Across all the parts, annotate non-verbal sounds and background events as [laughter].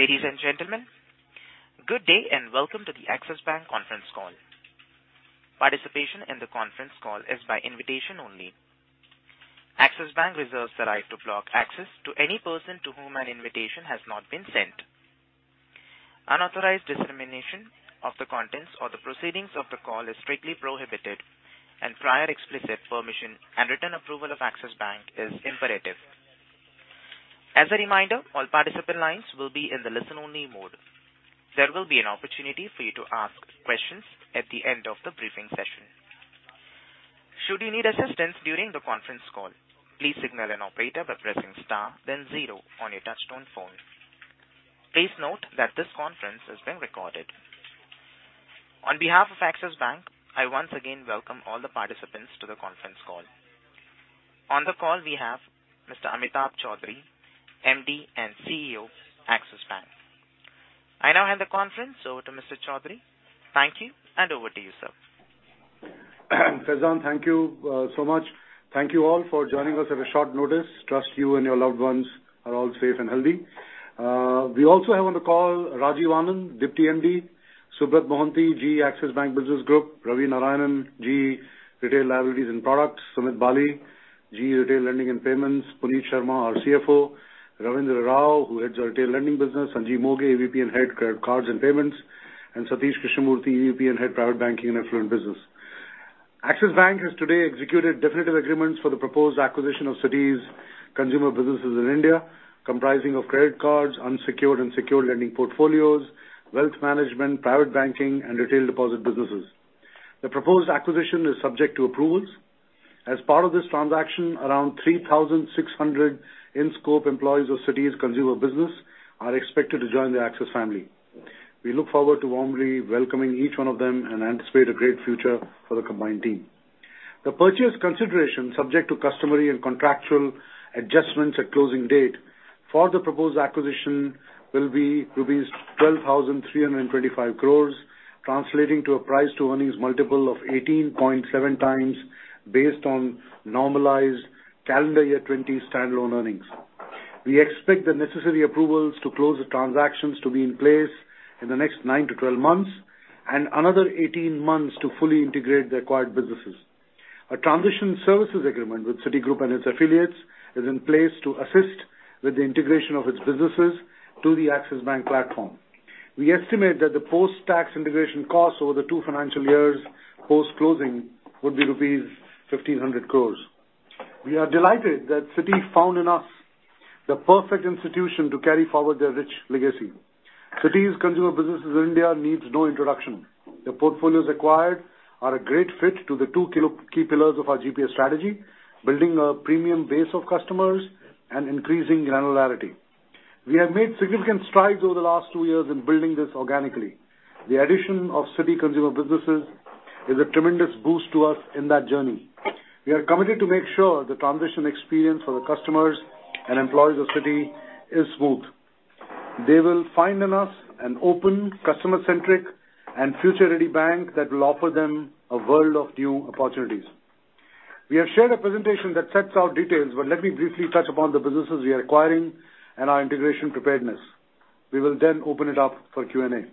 Ladies and gentlemen, good day and welcome to the Axis Bank conference call. Participation in the conference call is by invitation only. Axis Bank reserves the right to block access to any person to whom an invitation has not been sent. Unauthorized dissemination of the contents or the proceedings of the call is strictly prohibited and prior explicit permission and written approval of Axis Bank is imperative. As a reminder, all participant lines will be in the listen-only mode. There will be an opportunity for you to ask questions at the end of the briefing session. Should you need assistance during the conference call, please signal an operator by pressing star then zero on your touchtone phone. Please note that this conference is being recorded. On behalf of Axis Bank, I once again welcome all the participants to the conference call. On the call, we have Mr. Amitabh Chaudhry, MD and CEO, Axis Bank. I now hand the conference over to Mr. Chaudhry. Thank you, and over to you, sir. Faizan, thank you so much. Thank you all for joining us at a short notice. Trust you and your loved ones are all safe and healthy. We also have on the call Rajiv Anand, Deputy MD, Subrat Mohanty, GE Axis Bank Business Group, Ravi Narayanan, GE Retail Liabilities and Products, Sumit Bali, GE Retail Lending and Payments, Puneet Sharma, our CFO, Ravindra Rao, who heads our retail lending business, Sanjeev Moghe, EVP and Head, Credit Cards and Payments, and Satheesh Krishnamurthy, EVP and Head, Private Banking and Affluent Business. Axis Bank has today executed definitive agreements for the proposed acquisition of Citi's consumer businesses in India, comprising of credit cards, unsecured and secured lending portfolios, wealth management, private banking, and retail deposit businesses. The proposed acquisition is subject to approvals. As part of this transaction, around 3,600 in-scope employees of Citi's consumer business are expected to join the Axis family. We look forward to warmly welcoming each one of them and anticipate a great future for the combined team. The purchase consideration subject to customary and contractual adjustments at closing date for the proposed acquisition will be rupees 12,325 crores, translating to a price-to-earnings multiple of 18.7x based on normalized calendar year 2020 stand-alone earnings. We expect the necessary approvals to close the transactions to be in place in the next nine-12 months and another 18 months to fully integrate the acquired businesses. A transition services agreement with Citigroup and its affiliates is in place to assist with the integration of its businesses to the Axis Bank platform. We estimate that the post-tax integration costs over the two financial years post-closing would be rupees 1,500 crores. We are delighted that Citi found in us the perfect institution to carry forward their rich legacy. Citi's consumer businesses in India needs no introduction. The portfolios acquired are a great fit to the two key pillars of our GPS strategy, building a premium base of customers and increasing granularity. We have made significant strides over the last two years in building this organically. The addition of Citi consumer businesses is a tremendous boost to us in that journey. We are committed to make sure the transition experience for the customers and employees of Citi is smooth. They will find in us an open, customer-centric, and future-ready bank that will offer them a world of new opportunities. We have shared a presentation that sets out details, but let me briefly touch upon the businesses we are acquiring and our integration preparedness. We will then open it up for Q&A.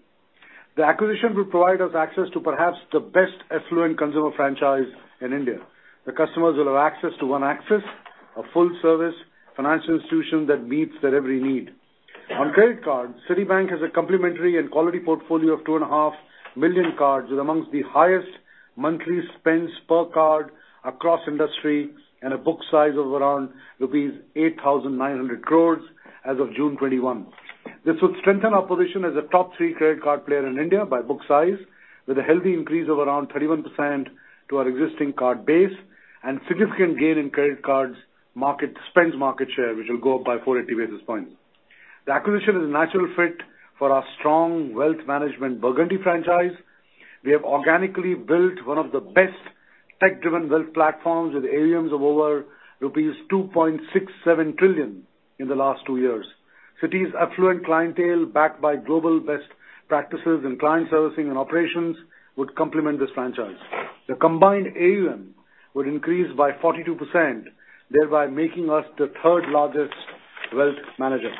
The acquisition will provide us access to perhaps the best affluent consumer franchise in India. The customers will have access to One Axis, a full-service financial institution that meets their every need. On credit cards, Citibank has a complementary and quality portfolio of 2.5 million cards with among the highest monthly spends per card across industry and a book size of around rupees 8,900 crores as of June 2021. This would strengthen our position as a top three credit card player in India by book size, with a healthy increase of around 31% to our existing card base and significant gain in credit cards market, spends market share, which will go up by 480 basis points. The acquisition is a natural fit for our strong wealth management Burgundy franchise. We have organically built one of the best tech-driven wealth platforms with AUMs of over rupees 2.67 trillion in the last two years. Citi's affluent clientele, backed by global best practices in client servicing and operations, would complement this franchise. The combined AUM would increase by 42%, thereby making us the third-largest wealth manager.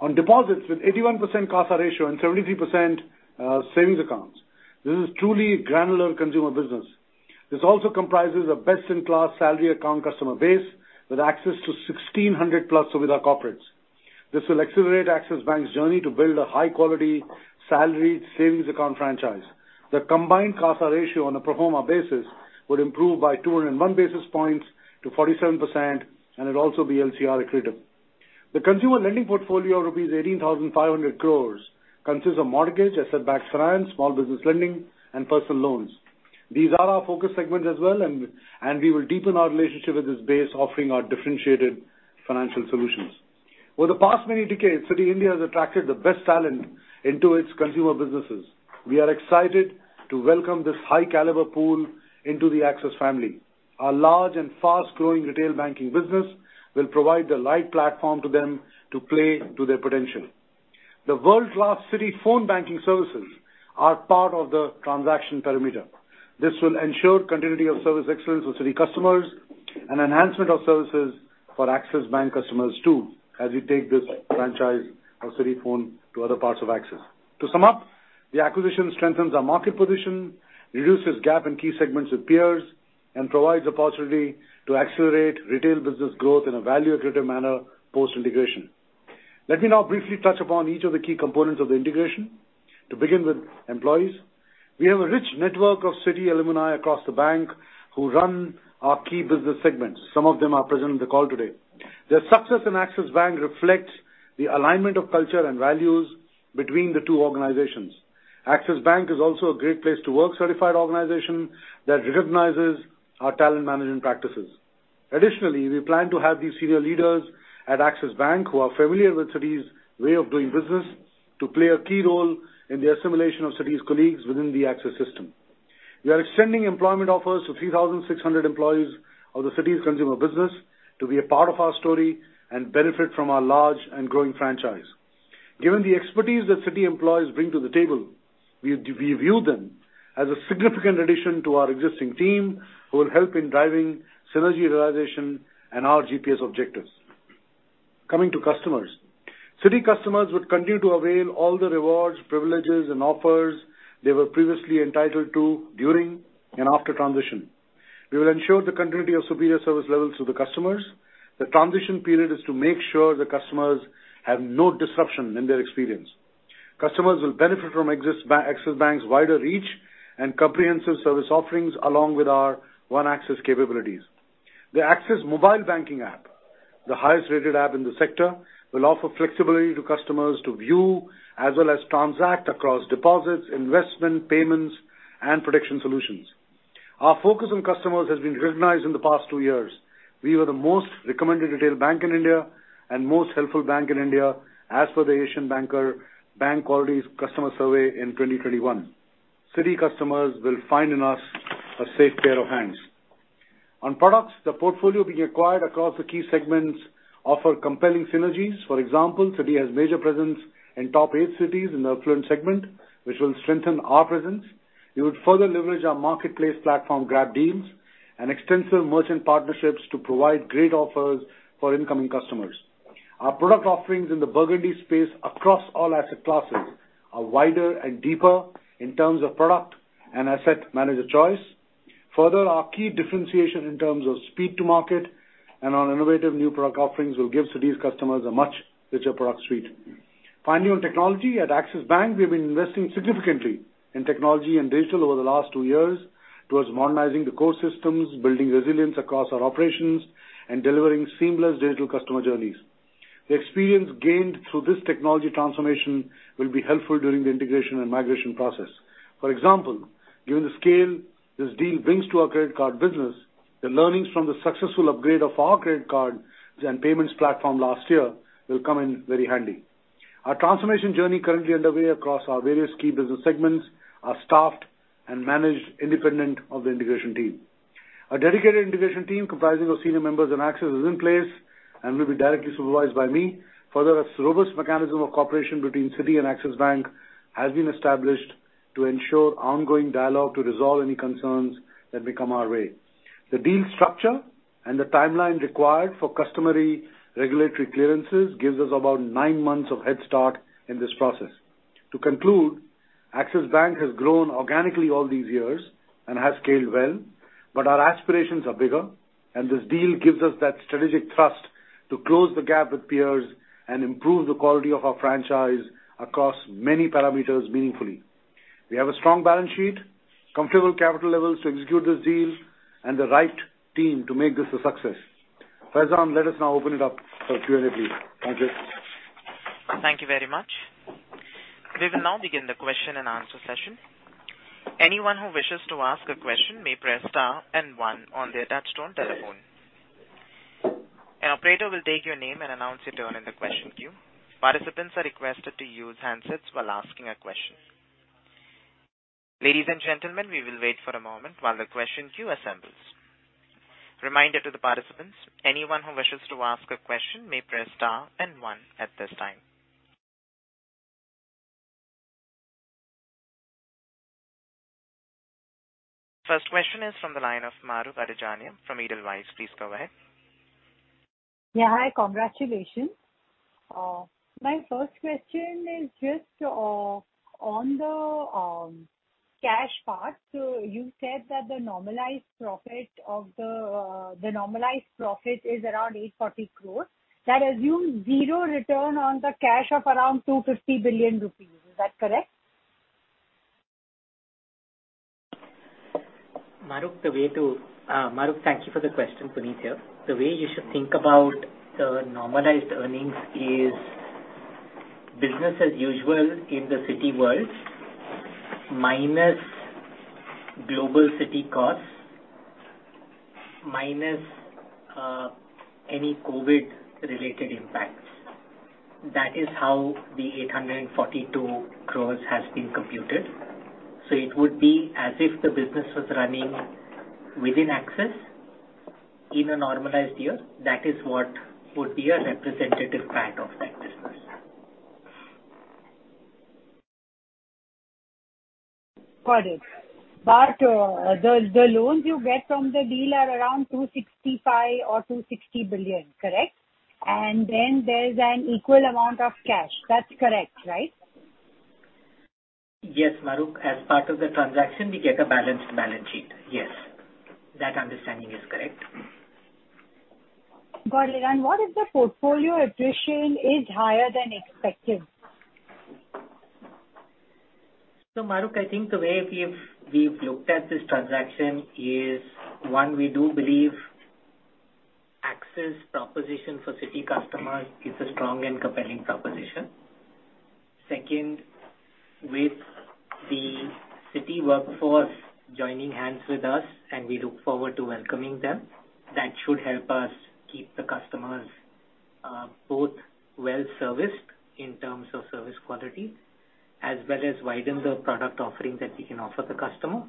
On deposits, with 81% CASA ratio and 73%, savings accounts, this is truly granular consumer business. This also comprises a best-in-class salary account customer base with access to 1,600+ with our corporates. This will accelerate Axis Bank's journey to build a high-quality salary savings account franchise. The combined CASA ratio on a pro forma basis would improve by 201 basis points to 47%, and it'll also be LCR accretive. The consumer lending portfolio, rupees 18,500 crore, consists of mortgage, asset-backed finance, small business lending, and personal loans. These are our focus segments as well, and we will deepen our relationship with this base, offering our differentiated financial solutions. Over the past many decades, Citi India has attracted the best talent into its consumer businesses. We are excited to welcome this high-caliber pool into the Axis family. Our large and fast-growing retail banking business will provide the right platform to them to play to their potential. The world-class CitiPhone banking services are part of the transaction parameter. This will ensure continuity of service excellence with Citi customers and enhancement of services for Axis Bank customers too as we take this franchise of CitiPhone to other parts of Axis. To sum up, the acquisition strengthens our market position, reduces gap in key segments with peers, and provides a possibility to accelerate retail business growth in a value-accretive manner post-integration. Let me now briefly touch upon each of the key components of the integration. To begin with employees, we have a rich network of Citi alumni across the bank who run our key business segments. Some of them are present on the call today. Their success in Axis Bank reflects the alignment of culture and values between the two organizations. Axis Bank is also a Great Place To Work-certified organization that recognizes our talent management practices. Additionally, we plan to have these senior leaders at Axis Bank, who are familiar with Citi's way of doing business, to play a key role in the assimilation of Citi's colleagues within the Axis system. We are extending employment offers to 3,600 employees of the Citi's consumer business to be a part of our story and benefit from our large and growing franchise. Given the expertise that Citi employees bring to the table, we view them as a significant addition to our existing team who will help in driving synergy realization and our GPS objectives. Coming to customers, Citi customers would continue to avail all the rewards, privileges, and offers they were previously entitled to during and after transition. We will ensure the continuity of superior service levels to the customers. The transition period is to make sure the customers have no disruption in their experience. Customers will benefit from Axis Bank's wider reach and comprehensive service offerings, along with our One Axis capabilities. The Axis Mobile banking app, the highest-rated app in the sector, will offer flexibility to customers to view as well as transact across deposits, investment, payments, and protection solutions. Our focus on customers has been recognized in the past two years. We were the most recommended retail bank in India and most helpful bank in India as per The Asian Banker BankQuality Consumer Survey in 2021. Citi customers will find in us a safe pair of hands. On products, the portfolio being acquired across the key segments offer compelling synergies. For example, Citi has major presence in top eight cities in the affluent segment, which will strengthen our presence. We would further leverage our marketplace platform GRAB DEALS and extensive merchant partnerships to provide great offers for incoming customers. Our product offerings in the Burgundy space across all asset classes are wider and deeper in terms of product and asset manager choice. Further, our key differentiation in terms of speed to market and our innovative new product offerings will give Citi's customers a much richer product suite. Finally, on technology, at Axis Bank, we have been investing significantly in technology and digital over the last two years towards modernizing the core systems, building resilience across our operations, and delivering seamless digital customer journeys. The experience gained through this technology transformation will be helpful during the integration and migration process. For example, given the scale this deal brings to our credit card business, the learnings from the successful upgrade of our credit card and payments platform last year will come in very handy. Our transformation journey currently underway across our various key business segments are staffed and managed independent of the integration team. Our dedicated integration team comprising of senior members in Axis is in place and will be directly supervised by me. Further, a robust mechanism of cooperation between Citi and Axis Bank has been established to ensure ongoing dialogue to resolve any concerns that may come our way. The deal structure and the timeline required for customary regulatory clearances gives us about nine months of headstart in this process. To conclude, Axis Bank has grown organically all these years and has scaled well, but our aspirations are bigger, and this deal gives us that strategic thrust to close the gap with peers and improve the quality of our franchise across many parameters meaningfully. We have a strong balance sheet, comfortable capital levels to execute this deal, and the right team to make this a success. Faizan, let us now open it up for Q&A, please. Thank you. Thank you very much. We will now begin the question-and-answer session. Anyone who wishes to ask a question may press star and one on their touch-tone telephone. An operator will take your name and announce your turn in the question queue. Participants are requested to use handsets while asking a question. Ladies and gentlemen, we will wait for a moment while the question queue assembles. Reminder to the participants, anyone who wishes to ask a question may press star and one at this time. First question is from the line of Mahrukh Adajania from Edelweiss. Please go ahead. Yeah. Hi, congratulations. My first question is just on the cash part. So you said that the normalized profit is around 840 crores. That assumes zero return on the cash of around 250 billion rupees. Is that correct? Mahrukh, thank you for the question. Puneet here. The way you should think about the normalized earnings is business as usual in the Citi world, minus global Citi costs, minus any COVID-related impacts. That is how the 842 crores has been computed. It would be as if the business was running within Axis. In a normalized year, that is what would be a representative part of that business. Got it. The loans you get from the deal are around 265 billion or 260 billion, correct? There's an equal amount of cash. That's correct, right? Yes, Mahrukh. As part of the transaction, we get a balanced balance sheet. Yes. That understanding is correct. Got it. What if the portfolio attrition is higher than expected? Mahrukh, I think the way we've looked at this transaction is, one, we do believe Axis proposition for Citi customers is a strong and compelling proposition. Second, with the Citi workforce joining hands with us, and we look forward to welcoming them, that should help us keep the customers both well-serviced in terms of service quality, as well as widen the product offerings that we can offer the customer.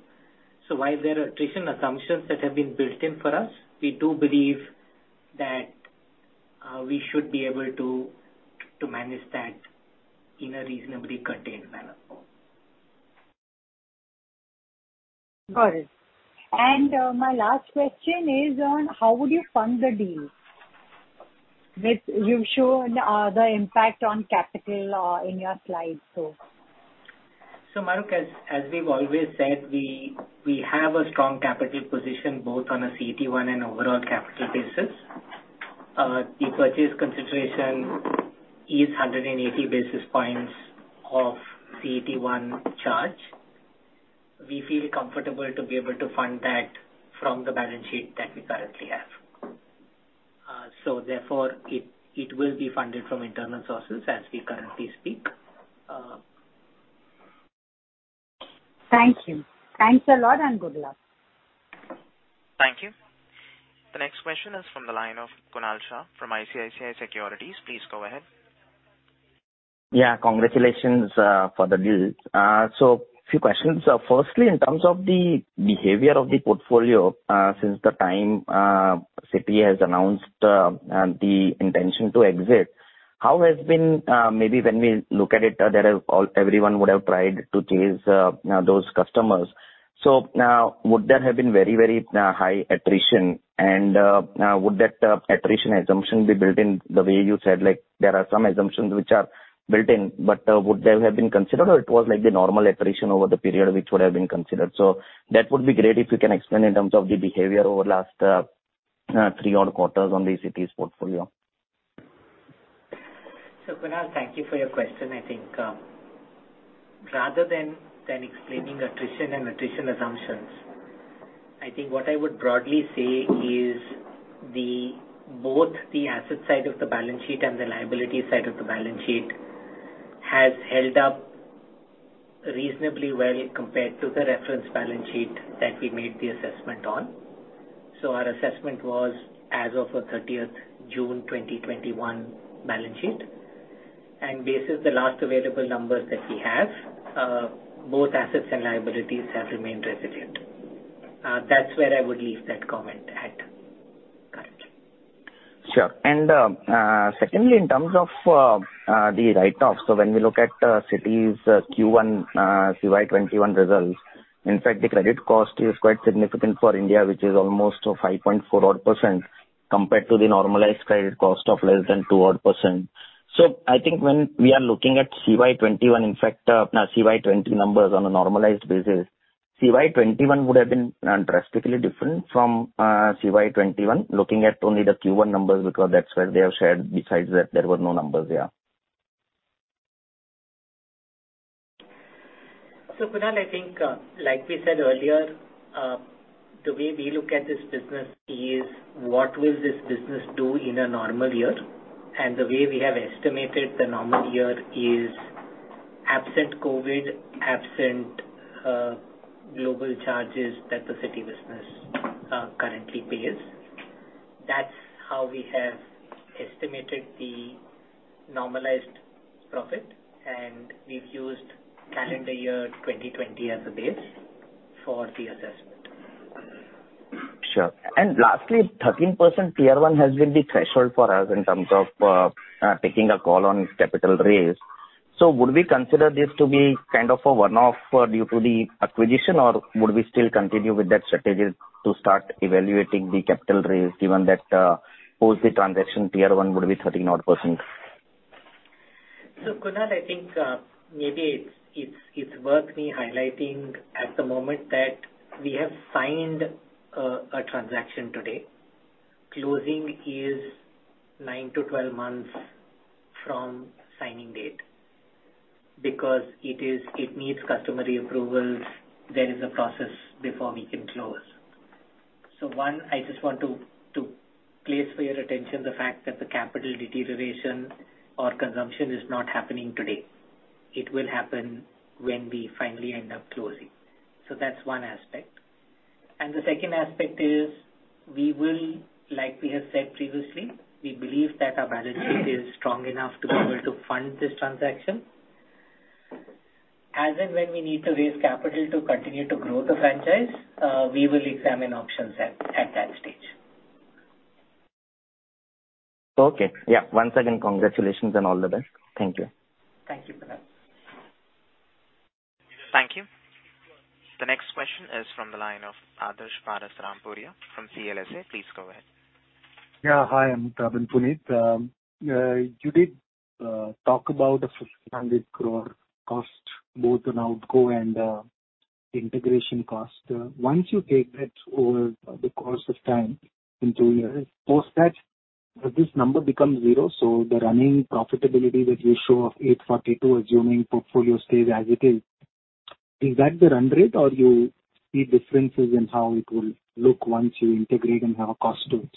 While there are attrition assumptions that have been built in for us, we do believe that we should be able to manage that in a reasonably contained manner. Got it. My last question is on how would you fund the deal? You've shown the impact on capital in your slides. Mahrukh, as we've always said, we have a strong capital position both on a CET1 and overall capital basis. The purchase consideration is 180 basis points of CET1 charge. We feel comfortable to be able to fund that from the balance sheet that we currently have. It will be funded from internal sources as we currently speak. Thank you. Thanks a lot and good luck. Thank you. The next question is from the line of Kunal Shah from ICICI Securities. Please go ahead. Yeah, congratulations for the deal. A few questions. Firstly, in terms of the behavior of the portfolio, since the time Citi has announced the intention to exit, how has it been. Maybe when we look at it, everyone would have tried to chase, you know, those customers. Would there have been very high attrition? Would that attrition assumption be built in the way you said? Like, there are some assumptions which are built in, but would they have been considered or it was like the normal attrition over the period which would have been considered? That would be great if you can explain in terms of the behavior over last three odd quarters on the Citi's portfolio. Kunal, thank you for your question. I think, rather than explaining attrition assumptions, I think what I would broadly say is both the asset side of the balance sheet and the liability side of the balance sheet has held up reasonably well compared to the reference balance sheet that we made the assessment on. Our assessment was as of 30th June 2021 balance sheet. Based on the last available numbers that we have, both assets and liabilities have remained resilient. That's where I would leave that comment at. Sure. Secondly, in terms of the write-offs. When we look at Citi's Q1 CY 2021 results, in fact, the credit cost is quite significant for India, which is almost 5.4 odd % compared to the normalized credit cost of less than 2 odd %. I think when we are looking at CY 2021, in fact, no CY 2020 numbers on a normalized basis, CY 2021 would have been drastically different from CY 2021 looking at only the Q1 numbers because that's where they have shared. Besides that, there were no numbers there. Kunal, I think, like we said earlier, the way we look at this business is what will this business do in a normal year? The way we have estimated the normal year is absent COVID, absent global charges that the Citi business currently pays. That's how we have estimated the normalized profit, and we've used calendar year 2020 as a base for the assessment. Sure. Lastly, 13% Tier 1 has been the threshold for us in terms of taking a call on capital raise. Would we consider this to be kind of a one-off due to the acquisition, or would we still continue with that strategy to start evaluating the capital raise given that post the transaction Tier 1 would be 13 odd %? Kunal, I think, maybe it's worth me highlighting at the moment that we have signed a transaction today. Closing is nine-12 months from signing date because it needs customary approvals. There is a process before we can close. One, I just want to place for your attention the fact that the capital deterioration or consumption is not happening today. It will happen when we finally end up closing. That's one aspect. The second aspect is we will, like we have said previously, we believe that our balance sheet is strong enough to be able to fund this transaction. As and when we need to raise capital to continue to grow the franchise, we will examine options at that stage. Okay. Yeah. Once again, congratulations and all the best. Thank you. Thank you, Kunal. Thank you. The next question is from the line of Adarsh Parasrampuria from CLSA. Please go ahead. Yeah. Hi Amitabh, Puneet, you did talk about the 1,500 crore cost, both on outgo and integration cost. Once you take that over the course of time in two years, post that, this number becomes zero, so the running profitability that you show of 842, assuming portfolio stays as it is. Is that the run rate or you see differences in how it will look once you integrate and have a cost to it?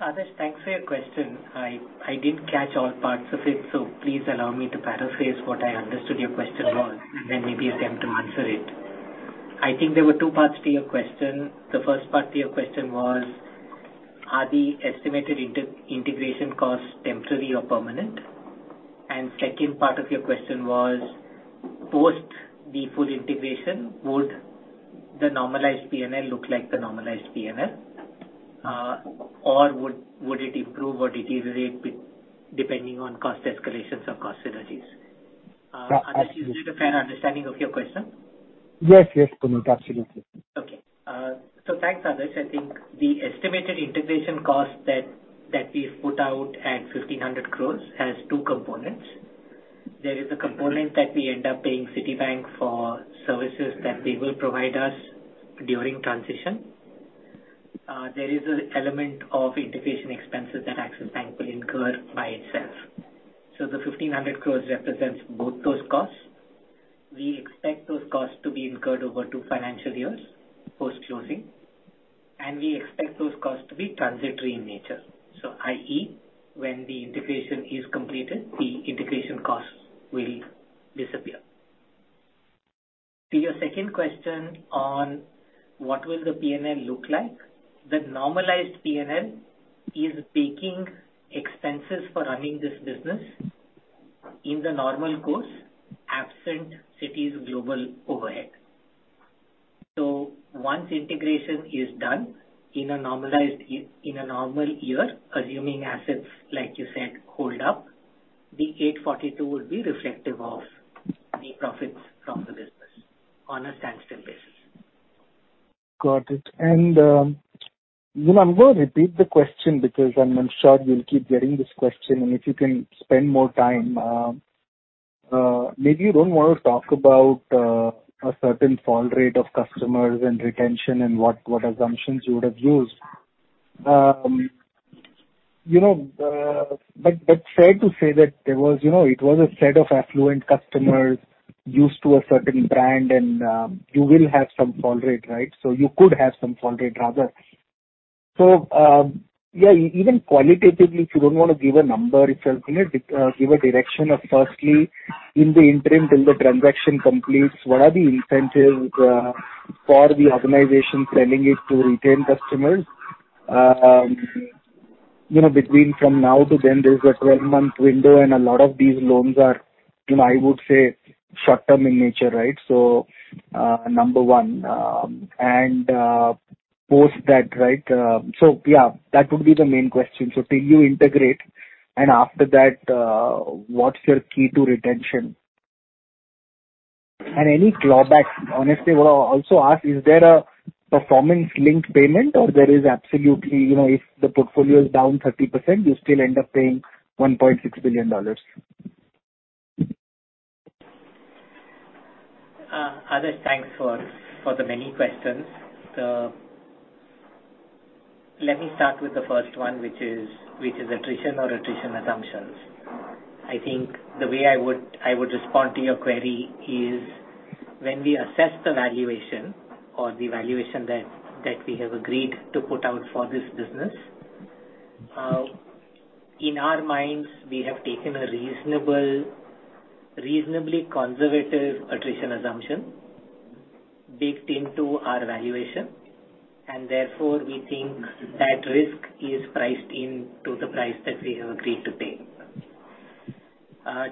Adarsh, thanks for your question. I didn't catch all parts of it, so please allow me to paraphrase what I understood your question was, and then maybe attempt to answer it. I think there were two parts to your question. The first part to your question was, are the estimated integration costs temporary or permanent? And second part of your question was, post the full integration, would the normalized P&L look like the normalized P&L? Or would it improve or deteriorate depending on cost escalations or cost synergies? Yeah. Adarsh, is that a fair understanding of your question? Yes, yes, Puneet. Absolutely. Okay. Thanks, Adarsh. I think the estimated integration cost that we've put out at 1,500 crore has two components. There is a component that we end up paying Citibank for services that they will provide us during transition. There is an element of integration expenses that Axis Bank will incur by itself. The 1,500 crores represents both those costs. We expect those costs to be incurred over two financial years post-closing, and we expect those costs to be transitory in nature. i.e., when the integration is completed, the integration costs will disappear. To your second question on what will the P&L look like, the normalized P&L is taking expenses for running this business in the normal course, absent Citi's global overhead. Once integration is done in a normal year, assuming assets, like you said, hold up, the 842 would be reflective of the profits from the business on a standstill basis. Got it. You know, I'm gonna repeat the question because I'm sure you'll keep getting this question, and if you can spend more time, maybe you don't wanna talk about a certain fall rate of customers and retention and what assumptions you would have used. You know, but fair to say that there was, you know, it was a set of affluent customers used to a certain brand and you will have some fall rate, right? You could have some fall rate rather. Even qualitatively, if you don't wanna give a number, if you're gonna give a direction of firstly, in the interim till the transaction completes, what are the incentives for the organization planning it to retain customers? You know, between now to then, there's a 12-month window and a lot of these loans are, you know, I would say short-term in nature, right? Number one. And post that, right? So yeah, that would be the main question. So till you integrate and after that, what's your key to retention? And any clawbacks. Honestly, what I would also ask, is there a performance-linked payment or there is absolutely, you know, if the portfolio is down 30%, you still end up paying $1.6 billion. Adarsh, thanks for the many questions. Let me start with the first one, which is attrition assumptions. I think the way I would respond to your query is when we assess the valuation that we have agreed to put out for this business, in our minds, we have taken a reasonably conservative attrition assumption baked into our valuation, and therefore, we think that risk is priced into the price that we have agreed to pay.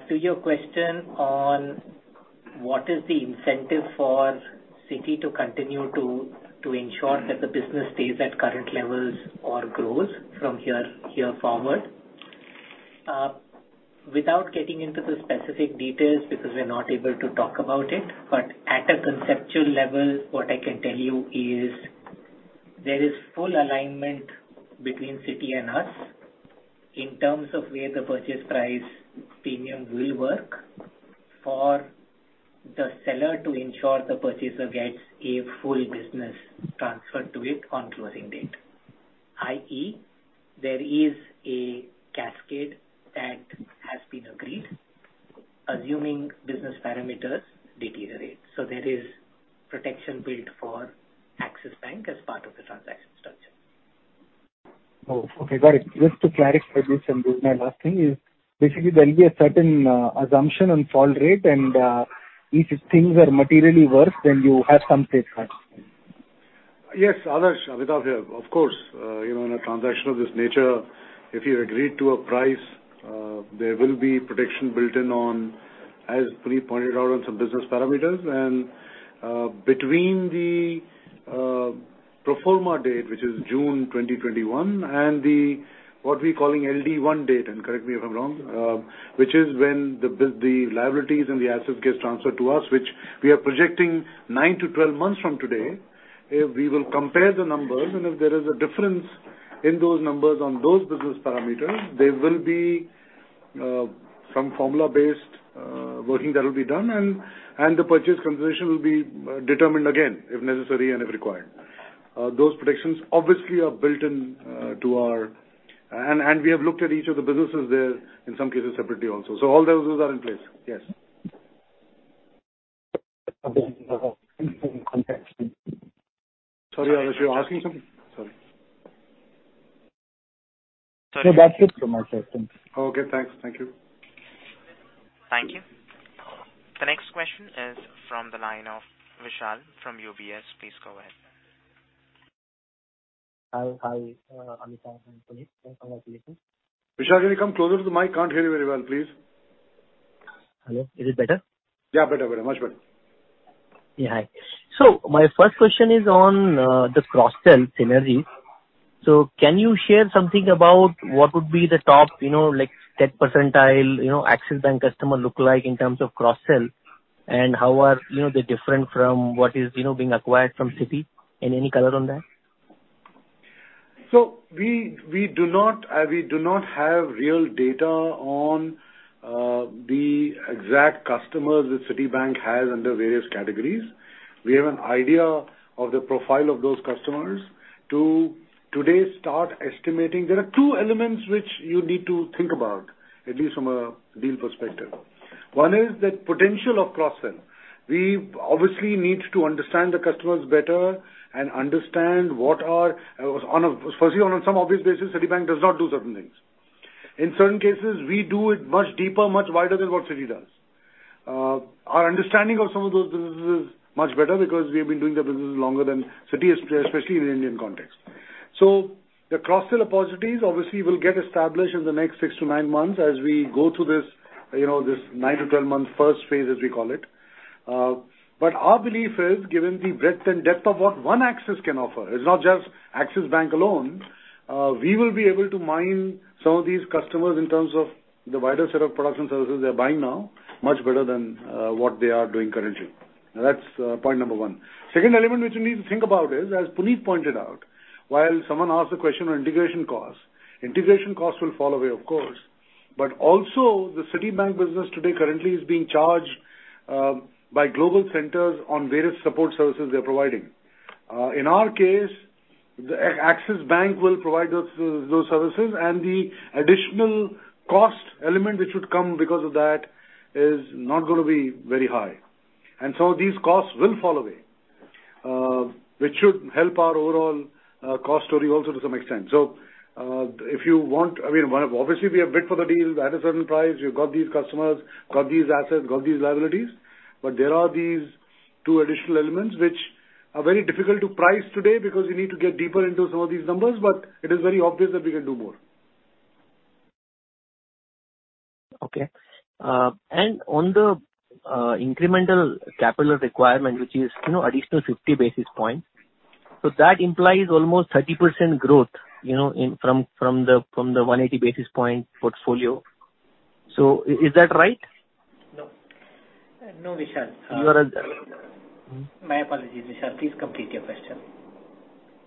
To your question on what is the incentive for Citi to continue to ensure that the business stays at current levels or grows from here forward. Without getting into the specific details because we're not able to talk about it, but at a conceptual level, what I can tell you is there is full alignment between Citi and us in terms of where the purchase price premium will work for the seller to ensure the purchaser gets a full business transferred to it on closing date, i.e., there is a cascade that has been agreed assuming business parameters deteriorate. There is protection built for Axis Bank as part of the transaction structure. Oh, okay. Got it. Just to clarify this, and this is my last thing, is basically there'll be a certain assumption on fall rate and, if things are materially worse, then you have some safeguards. Yes, Adarsh. Amitabh here. Of course, you know, in a transaction of this nature, if you agreed to a price, there will be protection built in on, as Puneet Sharma pointed out, on some business parameters. Between the pro forma date, which is June 2021, and what we're calling LD1 date, and correct me if I'm wrong, which is when the liabilities and the assets gets transferred to us, which we are projecting nine-12 months from today. If we will compare the numbers and if there is a difference in those numbers on those business parameters, there will be some formula-based working that will be done and the purchase consideration will be determined again, if necessary and if required. Those protections obviously are built-in to our. We have looked at each of the businesses there, in some cases separately also. All those are in place. Yes. Sorry, Adarsh, you were asking something? Sorry. No, that's it from my side. Thanks. Okay, thanks. Thank you. Thank you. The next question is from the line of Vishal from UBS. Please go ahead. Hi. Hi, Amitabh and Puneet. Congratulations. Vishal, can you come closer to the mic? Can't hear you very well, please. Hello. Is it better? Yeah, better. Much better. Yeah. Hi. My first question is on the cross-sell synergy. Can you share something about what would be the top, you know, like tenth percentile, you know, Axis Bank customer look like in terms of cross-sell? And how are, you know, they different from what is, you know, being acquired from Citi? Any color on that? We do not have real data on the exact customers that Citibank has under various categories. We have an idea of the profile of those customers. Today to start estimating, there are two elements which you need to think about, at least from a deal perspective. One is the potential of cross-sell. We obviously need to understand the customers better. Firstly, on some obvious basis, Citibank does not do certain things. In certain cases, we do it much deeper, much wider than what Citi does. Our understanding of some of those businesses is much better because we have been doing the businesses longer than Citi, especially in the Indian context. The cross-sell positives obviously will get established in the next six-nine months as we go through this, you know, this nine-12 month first phase, as we call it. But our belief is, given the breadth and depth of what One Axis can offer, it's not just Axis Bank alone, we will be able to mine some of these customers in terms of the wider set of products and services they are buying now much better than what they are doing currently. That's point number one. Second element which you need to think about is, as Puneet pointed out, while someone asked a question on integration costs, integration costs will fall away of course, but also the Citibank business today currently is being charged by global centers on various support services they are providing. In our case, Axis Bank will provide those services and the additional cost element which would come because of that is not gonna be very high. These costs will fall away, which should help our overall cost story also to some extent. If you want, I mean, obviously, we have bid for the deal at a certain price. We've got these customers, got these assets, got these liabilities. There are these two additional elements which are very difficult to price today because you need to get deeper into some of these numbers, but it is very obvious that we can do more. Okay. On the incremental capital requirement, which is, you know, additional 50 basis points. That implies almost 30% growth, you know, in from the 180 basis point portfolio. Is that right? No. No, Vishal. You are- My apologies, Vishal. Please complete your question.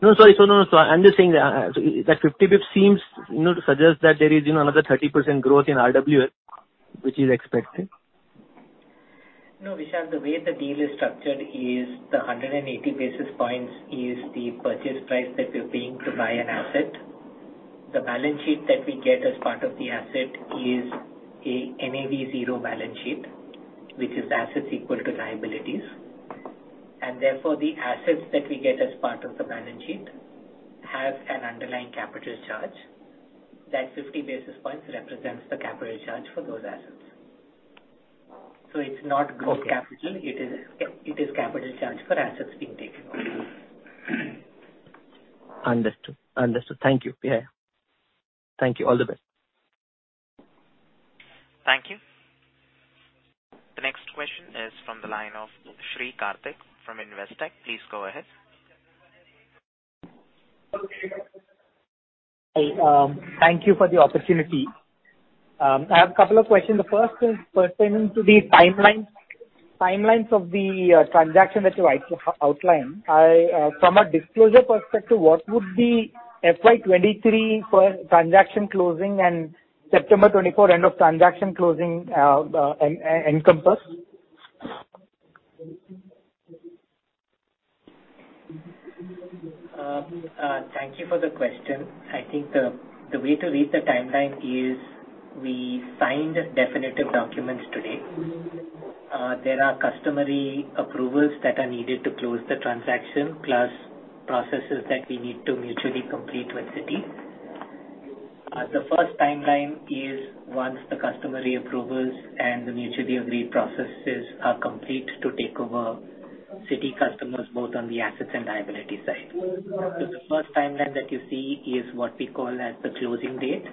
No, sorry. I'm just saying that 50 basis points seems, you know, to suggest that there is, you know, another 30% growth in RWA which is expected. No, Vishal. The way the deal is structured is the 180 basis points is the purchase price that we're paying to buy an asset. The balance sheet that we get as part of the asset is a NAV zero balance sheet, which is assets equal to liabilities. Therefore, the assets that we get as part of the balance sheet have an underlying capital charge. That 50 basis points represents the capital charge for those assets. It is capital charge for assets being taken. Understood. Thank you. Yeah. Thank you. All the best. Thank you. The next question is from the line of Sri Karthik from Investec. Please go ahead. Hi. Thank you for the opportunity. I have a couple of questions. The first is pertaining to the timelines of the transaction that you outlined. From a disclosure perspective, what would FY 2023 for transaction closing and September 2024 end of transaction closing encompass? Thank you for the question. I think the way to read the timeline is we signed definitive documents today. There are customary approvals that are needed to close the transaction, plus processes that we need to mutually complete with Citi. The first timeline is once the customer reapprovals and the mutually agreed processes are complete to take over Citi customers both on the assets and liability side. The first timeline that you see is what we call as the closing date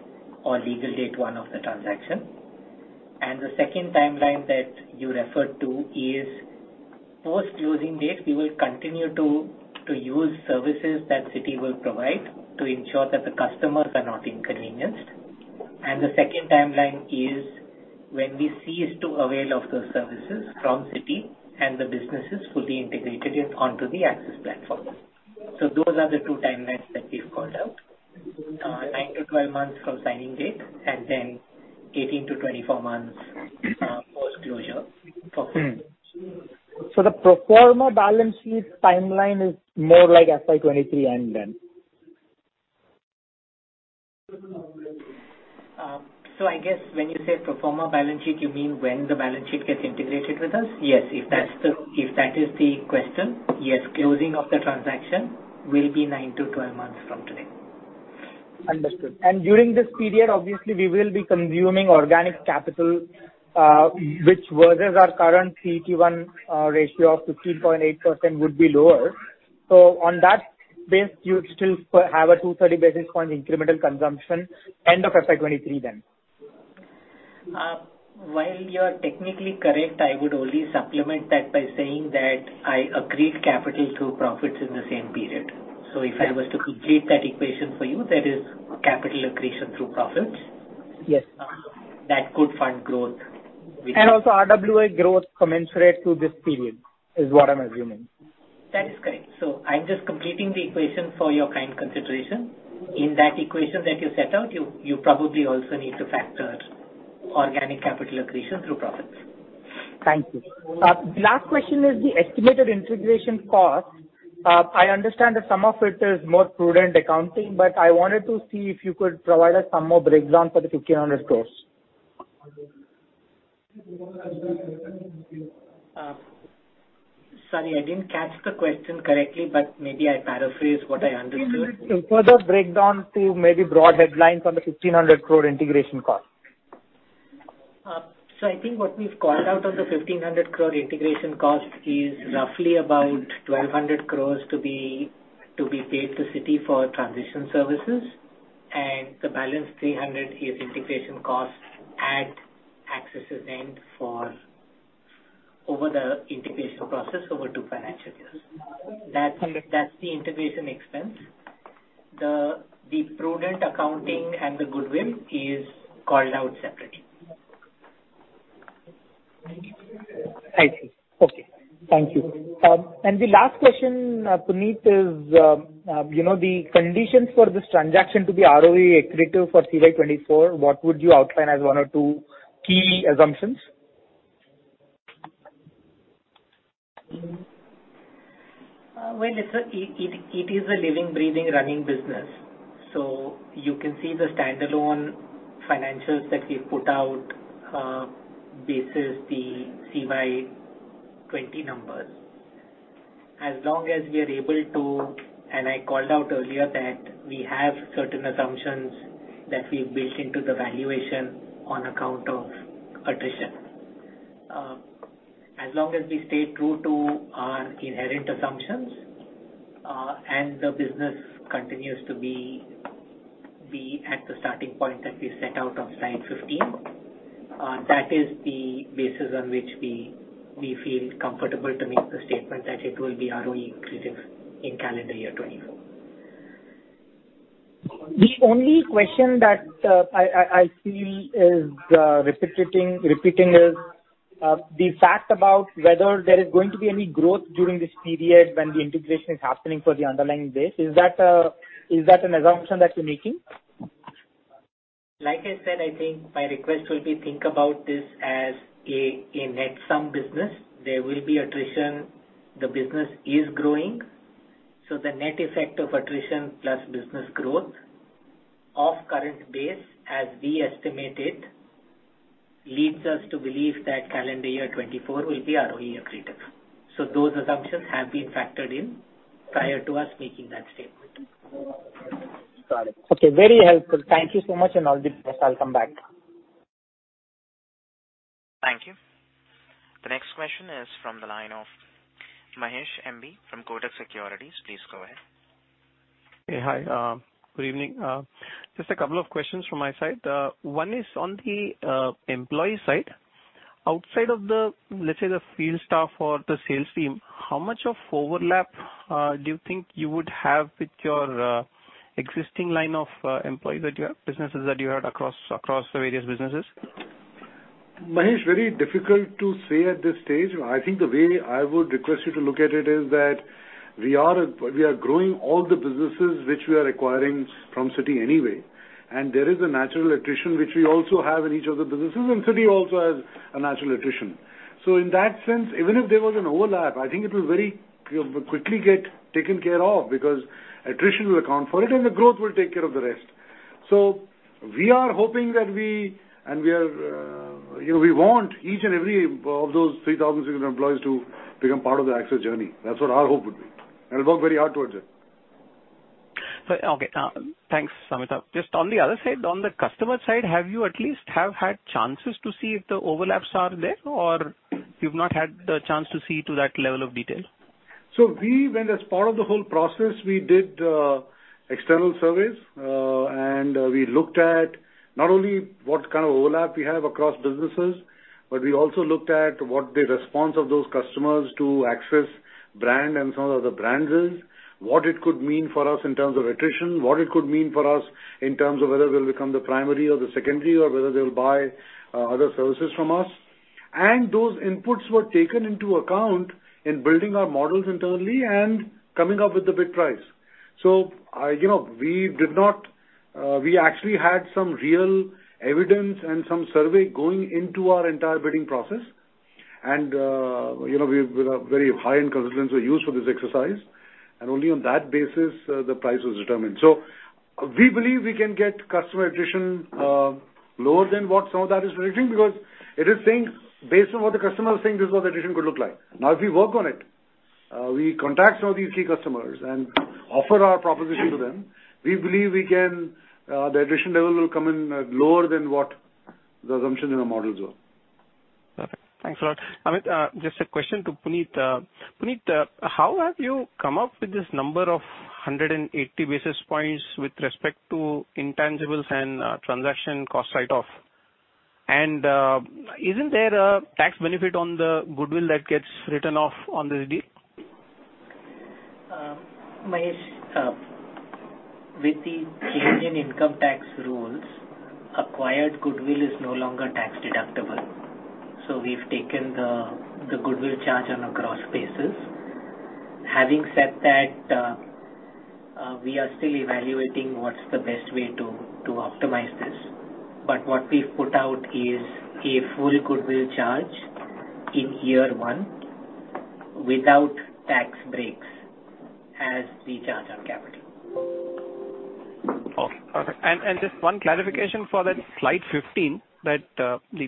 or Legal Day one of the transaction. The second timeline that you referred to is post-closing date, we will continue to use services that Citi will provide to ensure that the customers are not inconvenienced. The second timeline is when we cease to avail of those services from Citi and the business is fully integrated into the Axis platform. Those are the two timelines that we've called out. nine-12 months from signing date and then 18-24 months post-closure for. The pro forma balance sheet timeline is more like FY 2023 end then? I guess when you say pro forma balance sheet, you mean when the balance sheet gets integrated with us? Yes. If that is the question, yes. Closing of the transaction will be nine-12 months from today. Understood. During this period obviously we will be consuming organic capital, which versus our current CET1 ratio of 15.8% would be lower. On that base you would still have a 230 basis point incremental consumption end of FY 2023 then? While you are technically correct, I would only supplement that by saying that I accrete capital through profits in the same period. If I was to complete that equation for you, that is capital accretion through profits. Yes. That could fund growth with- And also RWA growth commensurate to this period is what I'm assuming. That is correct. I'm just completing the equation for your kind consideration. In that equation that you set out, you probably also need to factor organic capital accretion through profits. Thank you. The last question is the estimated integration cost. I understand that some of it is more prudent accounting, but I wanted to see if you could provide us some more breakdown for the 1,500 crore. Sorry, I didn't catch the question correctly, but maybe I paraphrase what I understood. A further breakdown to maybe broad headlines on the 1,500 crore integration cost. I think what we've called out on the 1,500 crore integration cost is roughly about 1,200 crores to be paid to Citi for transition services. The balance 300 is integration costs at Axis' end for over the integration process over two financial years. That's the integration expense. The prudent accounting and the goodwill is called out separately. I see. Okay. Thank you. The last question, Puneet, is, you know, the conditions for this transaction to be ROE accretive for CY 2024, what would you outline as one or two key assumptions? Well, listen, it is a living, breathing, running business. You can see the standalone financials that we've put out, basis the CY 2020 numbers. I called out earlier that we have certain assumptions that we've built into the valuation on account of attrition. As long as we stay true to our inherent assumptions, and the business continues to be at the starting point that we set out on slide 15, that is the basis on which we feel comfortable to make the statement that it will be ROE accretive in calendar year 2024. The only question that I feel is repeating is the fact about whether there is going to be any growth during this period when the integration is happening for the underlying base. Is that an assumption that you're making? Like I said, I think my request will be to think about this as a net sum business. There will be attrition. The business is growing, so the net effect of attrition plus business growth of current base as we estimate it, leads us to believe that calendar year 2024 will be ROE accretive. Those assumptions have been factored in prior to us making that statement. Got it. Okay. Very helpful. Thank you so much, and all the best. I'll come back. Thank you. The next question is from the line of Mahesh M B from Kotak Securities. Please go ahead. Hey. Hi. Good evening. Just a couple of questions from my side. One is on the employee side. Outside of the, let's say, the field staff or the sales team, how much of overlap do you think you would have with your existing line of employees that you have, businesses that you have across the various businesses? Mahesh, very difficult to say at this stage. I think the way I would request you to look at it is that we are growing all the businesses which we are acquiring from Citi anyway. There is a natural attrition which we also have in each of the businesses, and Citi also has a natural attrition. In that sense, even if there was an overlap, I think it will very, you know, quickly get taken care of because attrition will account for it and the growth will take care of the rest. We are hoping that we and we are, you know, we want each and every of those 3,600 employees to become part of the Axis journey. That's what our hope would be. Work very hard towards it. Sir, okay. Thanks, Amitabh. Just on the other side, on the customer side, have you at least have had chances to see if the overlaps are there or you've not had the chance to see to that level of detail? We went as part of the whole process, we did external surveys, and we looked at not only what kind of overlap we have across businesses, but we also looked at what the response of those customers to Axis brand and some of the brands is, what it could mean for us in terms of attrition, what it could mean for us in terms of whether we'll become the primary or the secondary or whether they'll buy other services from us. Those inputs were taken into account in building our models internally and coming up with the bid price. You know, we actually had some real evidence and some survey going into our entire bidding process. You know, we used very high-end consultants for this exercise, and only on that basis, the price was determined. We believe we can get customer attrition lower than what some of that is predicting because it is saying based on what the customer is saying, this is what the attrition could look like. Now, if we work on it, we contact some of these key customers and offer our proposition to them. We believe the attrition level will come in lower than what the assumption in the models were. Perfect. Thanks a lot. Amitabh, just a question to Puneet. Puneet, how have you come up with this number of 180 basis points with respect to intangibles and transaction cost write-off? Isn't there a tax benefit on the goodwill that gets written off on this deal? Mahesh, with the change in income tax rules, acquired goodwill is no longer tax-deductible, so we've taken the goodwill charge on a gross basis. Having said that, we are still evaluating what's the best way to optimize this. What we've put out is a full goodwill charge in year one without tax breaks as we charge on capital. Okay. Perfect. Just one clarification for that slide 15, the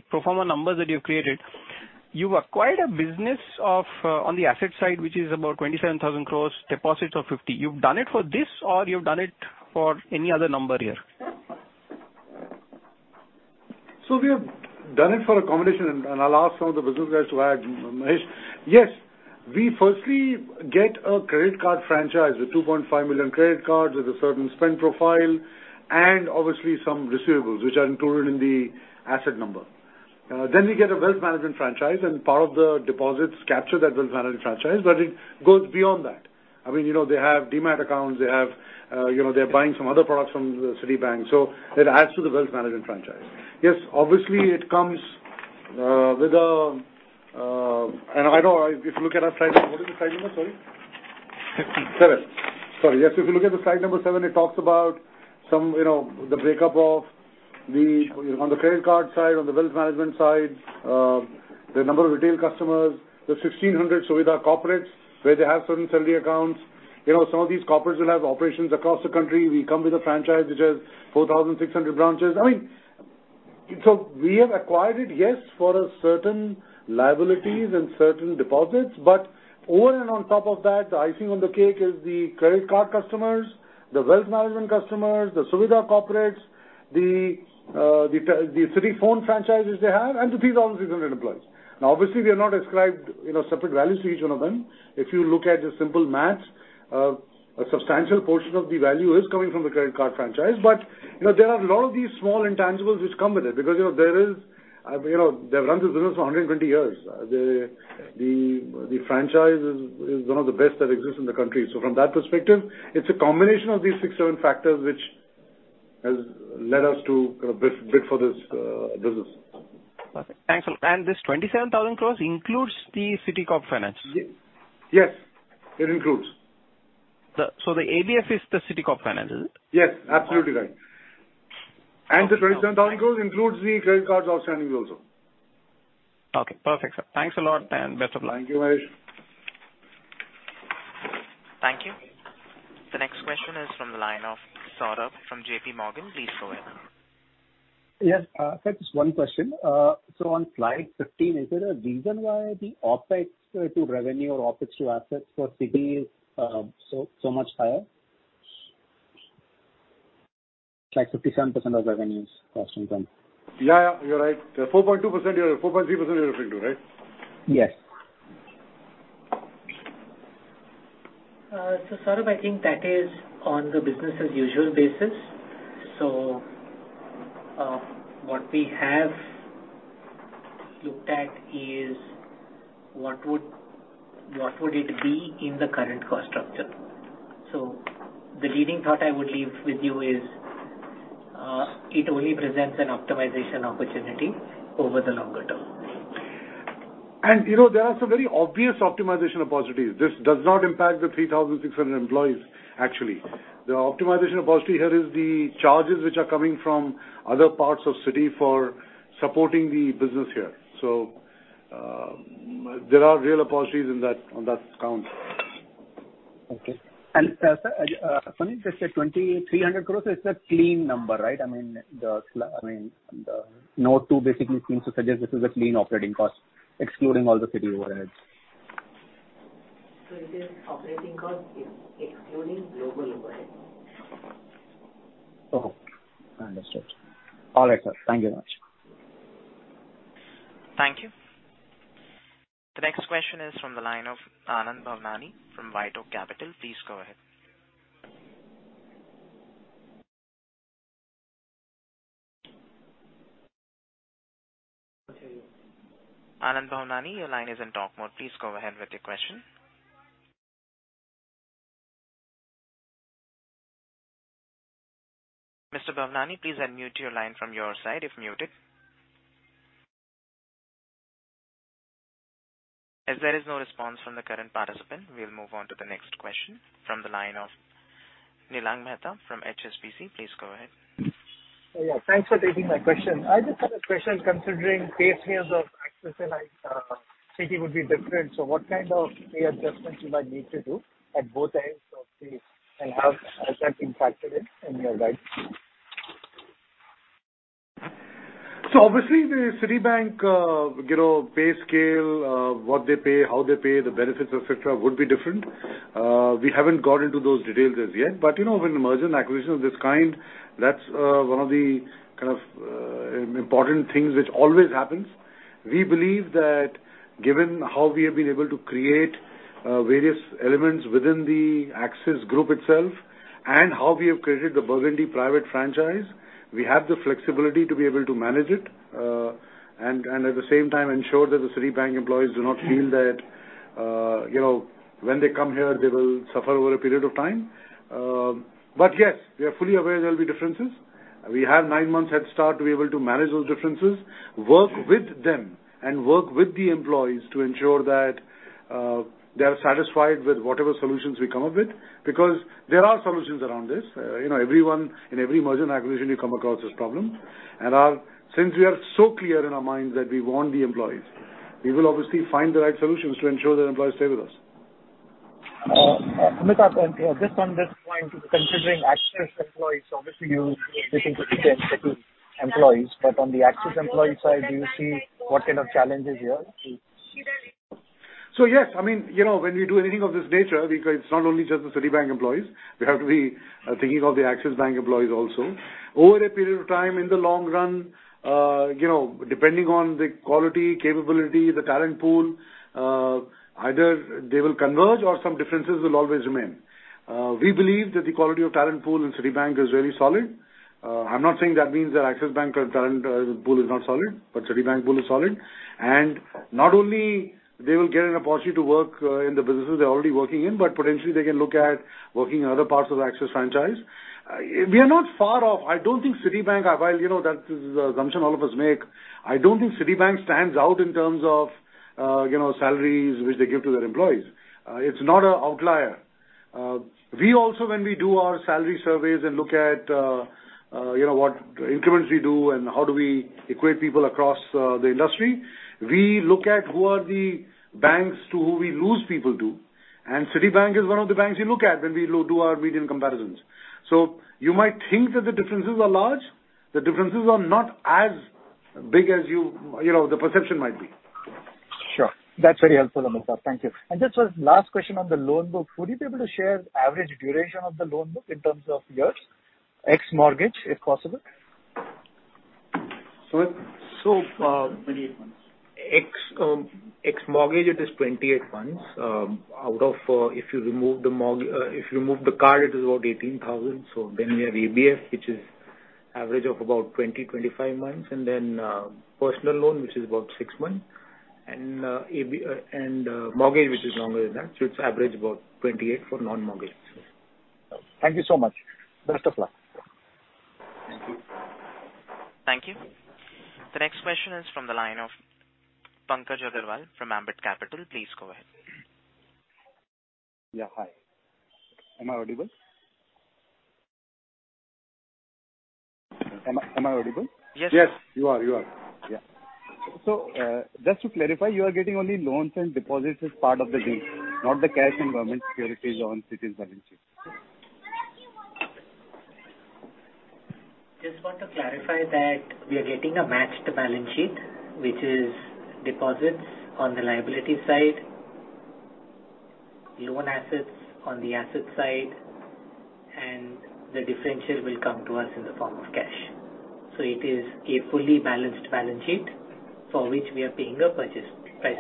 pro forma numbers that you've created, you acquired a business of, on the asset side, which is about 27,000 crore, deposits of 50,000 crore. You've done it for this or you've done it for any other number here? We have done it for accommodation, and I'll ask some of the business guys to add, Mahesh. Yes. We firstly get a credit card franchise with 2.5 million credit cards with a certain spend profile and obviously some receivables, which are included in the asset number. Then we get a wealth management franchise, and part of the deposits capture that wealth management franchise, but it goes beyond that. I mean, you know, they have Demat accounts, they have, you know, they're buying some other products from Citibank, so it adds to the wealth management franchise. Yes, obviously it comes with a. I know if you look at our slide, what is the slide number, sorry? Seven. Sorry. Yes, if you look at the slide number seven, it talks about some, you know, the breakup of the on the credit card side, on the wealth management side, the number of retail customers, the 1,600 Suvidha corporates, where they have certain salary accounts. You know, some of these corporates will have operations across the country. We come with a franchise which has 4,600 branches. I mean, we have acquired it, yes, for a certain liabilities and certain deposits, but over and on top of that, the icing on the cake is the credit card customers, the wealth management customers, the Suvidha corporates, the CitiPhone franchises they have, and the 3,600 employees. Now, obviously, we have not ascribed, you know, separate values to each one of them. If you look at the simple math, a substantial portion of the value is coming from the credit card franchise. But, you know, there are a lot of these small intangibles which come with it because, you know, there is, you know, they've run this business for 120 years. The franchise is one of the best that exists in the country. From that perspective, it's a combination of these six, seven factors which has led us to kind of bid for this business. Perfect. Thanks a lot. This 27,000 crores includes the Citicorp Finance? Yes. Yes, it includes. The ABF is the Citicorp Finance, is it? Yes, absolutely right. The 27,000 crore includes the credit cards outstanding also. Okay. Perfect, sir. Thanks a lot and best of luck. Thank you, Mahesh. Thank you. The next question is from the line of Saurabh from JP Morgan. Please go ahead. Yes. Just one question. So on slide 15, is there a reason why the OpEx to revenue or OpEx to assets for Citi is so much higher? Like 57% cost to income. Yeah, yeah, you're right. 4.3% you're referring to, right? Yes. Saurabh, I think that is on the business as usual basis. What we have looked at is what would it be in the current cost structure. The leading thought I would leave with you is, it only presents an optimization opportunity over the longer term. You know, there are some very obvious optimization of positives. This does not impact the 3,600 employees, actually. The optimization of positive here is the charges which are coming from other parts of Citi for supporting the business here. There are real positives in that, on that count. Okay. Sir, Puneet just said 2,300 crores, it's a clean number, right? I mean the note two basically seems to suggest this is a clean operating cost, excluding all the Citi overheads. It is operating cost excluding global, right? Oh, understood. All right, sir. Thank you much. Thank you. The next question is from the line of Anand Bhavnani from White Oak Capital. Please go ahead. Anand Bhavnani, your line is in talk mode. Please go ahead with your question. Mr. Bhavnani, please unmute your line from your side if muted. As there is no response from the current participant, we'll move on to the next question from the line of Nilang Mehta from HSBC. Please go ahead. Yeah, thanks for taking my question. I just had a question considering pay scales of Axis and Citi would be different, so what kind of pay adjustments you might need to do at both ends. Has that been factored in your guide? Obviously the Citibank, you know, pay scale, what they pay, how they pay, the benefits, et cetera, would be different. We haven't got into those details as yet. You know, when a merger and acquisition of this kind, that's one of the kind of important things which always happens. We believe that given how we have been able to create various elements within the Axis group itself and how we have created the Burgundy Private franchise, we have the flexibility to be able to manage it. At the same time ensure that the Citibank employees do not feel that, you know, when they come here, they will suffer over a period of time. Yes, we are fully aware there'll be differences. We have nine months head start to be able to manage those differences, work with them and work with the employees to ensure that they are satisfied with whatever solutions we come up with because there are solutions around this. You know, everyone in every merger and acquisition you come across this problem. Since we are so clear in our minds that we want the employees, we will obviously find the right solutions to ensure that employees stay with us. Amitabh, just on this point, considering Axis employees, so obviously you looking to retain Citi employees, but on the Axis employee side, do you see what kind of challenges here? Yes, I mean, you know, when we do anything of this nature, because it's not only just the Citibank employees, we have to be thinking of the Axis Bank employees also. Over a period of time in the long run, you know, depending on the quality, capability, the talent pool, either they will converge or some differences will always remain. We believe that the quality of talent pool in Citibank is really solid. I'm not saying that means that Axis Bank talent pool is not solid, but Citibank pool is solid. Not only they will get an opportunity to work in the businesses they're already working in, but potentially they can look at working in other parts of Axis franchise. We are not far off. I don't think Citibank, while you know that this is an assumption all of us make, I don't think Citibank stands out in terms of, you know, salaries which they give to their employees. It's not an outlier. We also, when we do our salary surveys and look at, you know, what increments we do and how do we equate people across the industry, we look at who are the banks to who we lose people to, and Citibank is one of the banks we look at when we do our regression comparisons. You might think that the differences are large. The differences are not as big as you know, the perception might be. Sure. That's very helpful, Amitabh. Thank you. Just last question on the loan book. Would you be able to share average duration of the loan book in terms of years, ex-mortgage, if possible? [audio distortion] ex-mortgage it is 28 months. If you remove the card it is about 18,000. You have ABF, which is average of about 20-25 months. Personal loan, which is about six months. Mortgage which is longer than that, so it's average about 28 for non-mortgage. Thank you so much. Best of luck. Thank you. Thank you. The next question is from the line of Pankaj Agarwal from Ambit Capital. Please go ahead. Yeah, hi. Am I audible? Am I audible? Yes. Yes, you are. Yeah. Just to clarify, you are getting only loans and deposits as part of the deal, not the cash and government securities on Citi's balance sheet. Just want to clarify that we are getting a matched balance sheet, which is deposits on the liability side, loan assets on the asset side, and the differential will come to us in the form of cash. It is a fully balanced balance sheet for which we are paying a purchase price.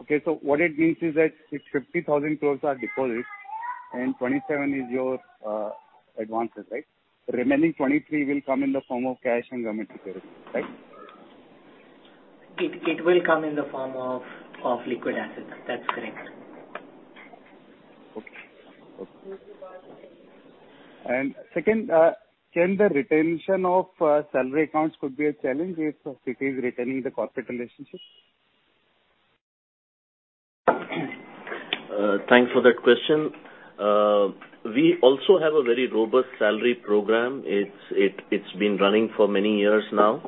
Okay. What it means is that if 50,000 crore are deposits and 27 is your advances, right? Remaining 23 will come in the form of cash and government securities, right? It will come in the form of liquid assets. That's correct. Okay. Okay. Second, can the retention of salary accounts could be a challenge if Citi is retaining the corporate relationships? Thanks for that question. We also have a very robust salary program. It's been running for many years now.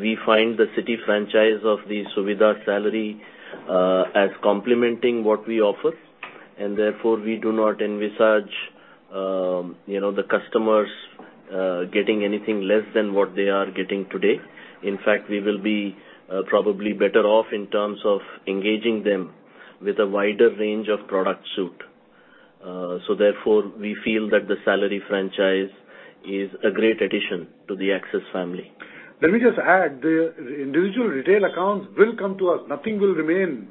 We find the Citi franchise of the Suvidha Salary as complementing what we offer. Therefore, we do not envisage you know, the customers getting anything less than what they are getting today. In fact, we will be probably better off in terms of engaging them with a wider range of product suite. Therefore, we feel that the salary franchise is a great addition to the Axis family. Let me just add, the individual retail accounts will come to us. Nothing will remain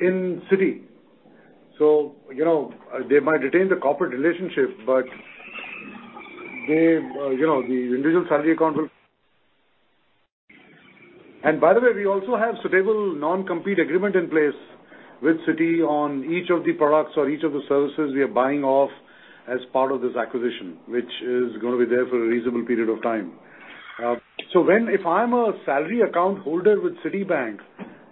in Citi. You know, they might retain the corporate relationship, but they, you know, the individual salary account will come to us. By the way, we also have standard non-compete agreement in place with Citi on each of the products or each of the services we are buying as part of this acquisition, which is gonna be there for a reasonable period of time. Even if I'm a salary account holder with Citibank,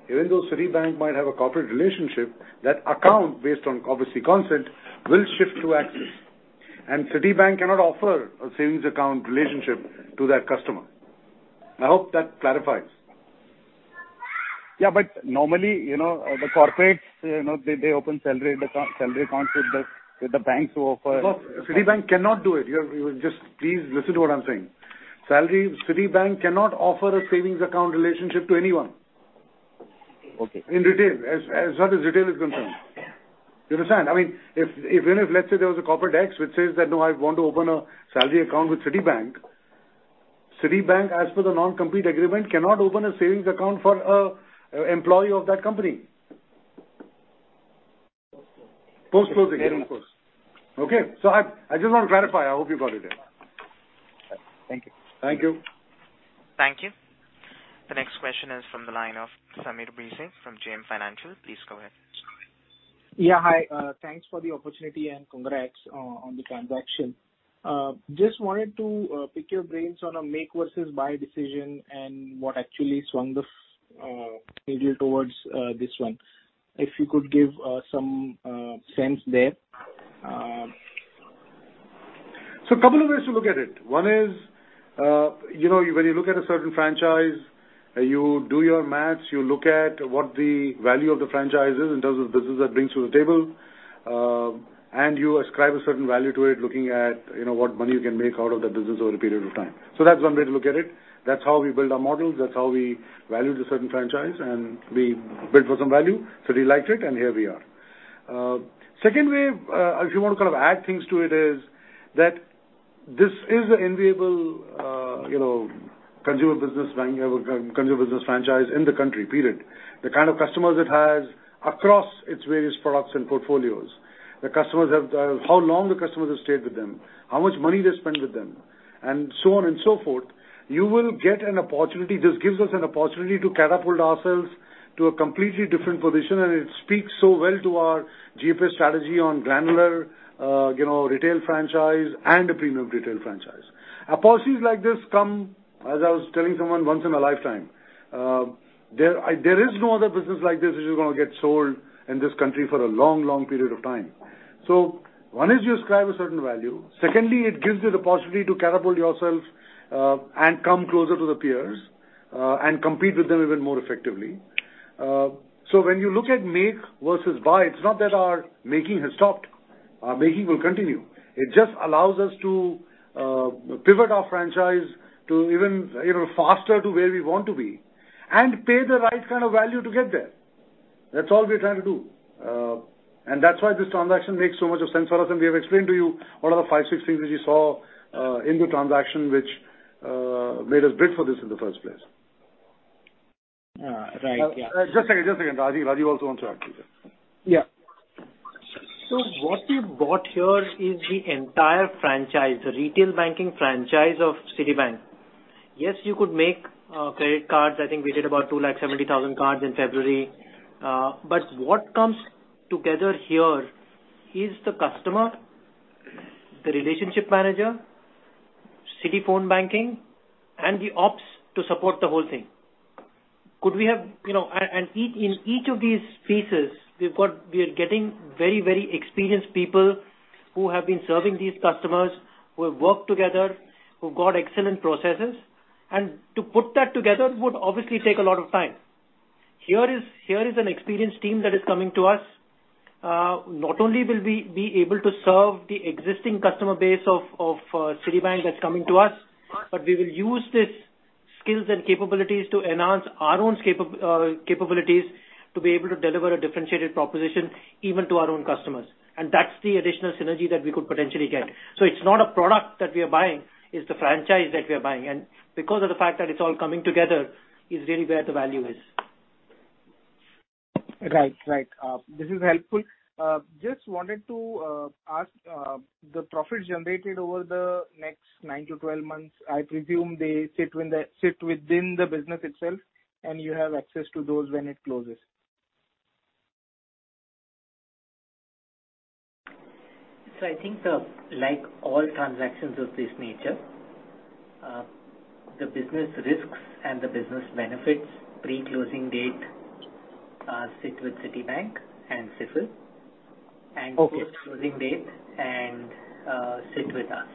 even though Citibank might have a corporate relationship, that account, based on, obviously, consent, will shift to Axis. Citibank cannot offer a savings account relationship to that customer. I hope that clarifies. Yeah, normally, you know, the corporates, you know, they open the salary accounts with the banks who offer- No. Citibank cannot do it. Just please listen to what I'm saying. Salary, Citibank cannot offer a savings account relationship to anyone. Okay. In retail. As far as retail is concerned. You understand? I mean, if even if let's say there was a corporate X which says that, "No, I want to open a salary account with Citibank," Citibank, as per the non-compete agreement, cannot open a savings account for a employee of that company. Post-closing, yes, of course. Okay? I just want to clarify. I hope you got it there. Thank you. Thank you. Thank you. The next question is from the line of Sameer Bhise from JM Financial. Please go ahead. Hi, thanks for the opportunity, and congrats on the transaction. Just wanted to pick your brains on a make versus buy decision and what actually swung the needle towards this one. If you could give some sense there. A couple of ways to look at it. One is, you know, when you look at a certain franchise, you do your math, you look at what the value of the franchise is in terms of business that brings to the table, and you ascribe a certain value to it, looking at, you know, what money you can make out of that business over a period of time. That's one way to look at it. That's how we build our models, that's how we value the certain franchise, and we bid for some value. Citi liked it, and here we are. Second way, if you want to kind of add things to it, is that this is an enviable, you know, consumer business bank, consumer business franchise in the country, period. The kind of customers it has across its various products and portfolios. The customers have how long the customers have stayed with them, how much money they spend with them, and so on and so forth. You will get an opportunity. This gives us an opportunity to catapult ourselves to a completely different position, and it speaks so well to our GPS strategy on granular, you know, retail franchise and a premium retail franchise. Opportunities like this come, as I was telling someone, once in a lifetime. There is no other business like this which is gonna get sold in this country for a long, long period of time. One is you ascribe a certain value. Secondly, it gives you the possibility to catapult yourself, and come closer to the peers, and compete with them even more effectively. When you look at make versus buy, it's not that our making has stopped. Our making will continue. It just allows us to pivot our franchise to even faster to where we want to be and pay the right kind of value to get there. That's all we're trying to do. That's why this transaction makes so much sense for us, and we have explained to you what are the five, six things that you saw in the transaction which made us bid for this in the first place. Right. Yeah. Just a second. Rajiv also wants to add to that. Yeah. What we've got here is the entire franchise, the retail banking franchise of Citibank. Yes, you could make credit cards. I think we did about 270,000 cards in February. But what comes together here is the customer, the relationship manager, CitiPhone banking, and the ops to support the whole thing. In each of these pieces we've got, we are getting very, very experienced people who have been serving these customers, who have worked together, who've got excellent processes. To put that together would obviously take a lot of time. Here is an experienced team that is coming to us. Not only will we be able to serve the existing customer base of Citibank that's coming to us, but we will use these skills and capabilities to enhance our own capabilities to be able to deliver a differentiated proposition even to our own customers. That's the additional synergy that we could potentially get. It's not a product that we are buying, it's the franchise that we are buying. Because of the fact that it's all coming together is really where the value is. Right. This is helpful. Just wanted to ask the profits generated over the next nine-12 months. I presume they sit within the business itself, and you have access to those when it closes. I think, like all transactions of this nature, the business risks and the business benefits pre-closing date sit with Citibank and CFIL. Okay. Post-closing date and sit with us.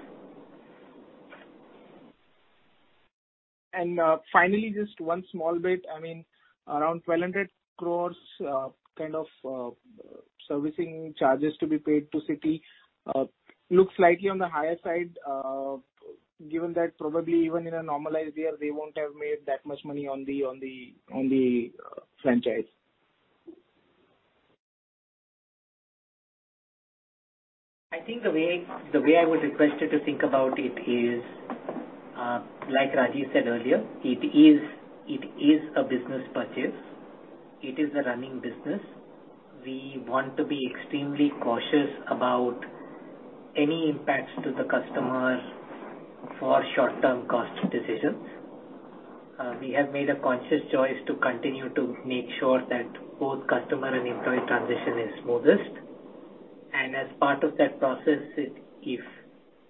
Finally, just one small bit. I mean, around 1,200 crores kind of servicing charges to be paid to Citi looks slightly on the higher side, given that probably even in a normalized year, they won't have made that much money on the franchise. I think the way I would request you to think about it is, like Rajiv said earlier, it is a business purchase. It is a running business. We want to be extremely cautious about any impacts to the customer for short-term cost decisions. We have made a conscious choice to continue to make sure that both customer and employee transition is smoothest. As part of that process, it, if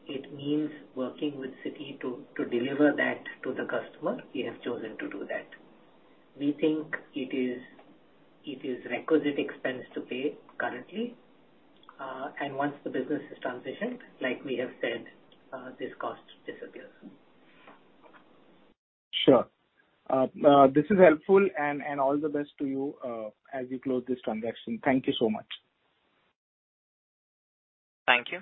it means working with Citi to deliver that to the customer, we have chosen to do that. We think it is requisite expense to pay currently. Once the business is transitioned, like we have said, this cost disappears. Sure. This is helpful and all the best to you as you close this transaction. Thank you so much. Thank you.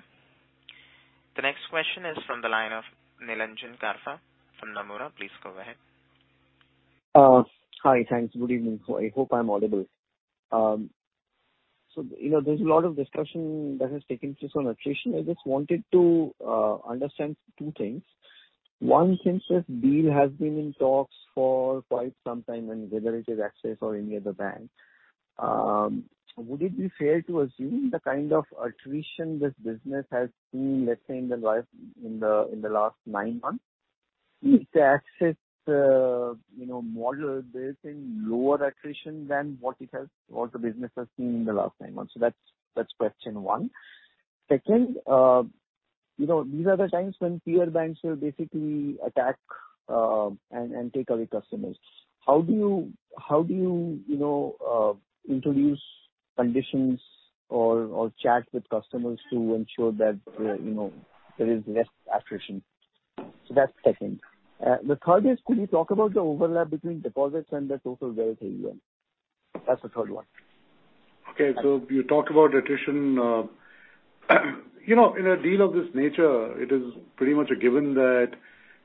The next question is from the line of Nilanjan Karfa from Nomura. Please go ahead. Hi. Thanks. Good evening. I hope I'm audible. You know, there's a lot of discussion that has taken place on attrition. I just wanted to understand two things. One, since this deal has been in talks for quite some time, and whether it is Axis or any other bank, would it be fair to assume the kind of attrition this business has seen, let's say, in the last nine months? If the Axis, you know, model is in lower attrition than what the business has seen in the last nine months. That's question one. Second, you know, these are the times when peer banks will basically attack and take away customers. How do you know, introduce conditions or chat with customers to ensure that, you know, there is less attrition? So that's second. The third is, could you talk about the overlap between deposits and the total wealth AUM? That's the third one. Okay. You talked about attrition. You know, in a deal of this nature, it is pretty much a given that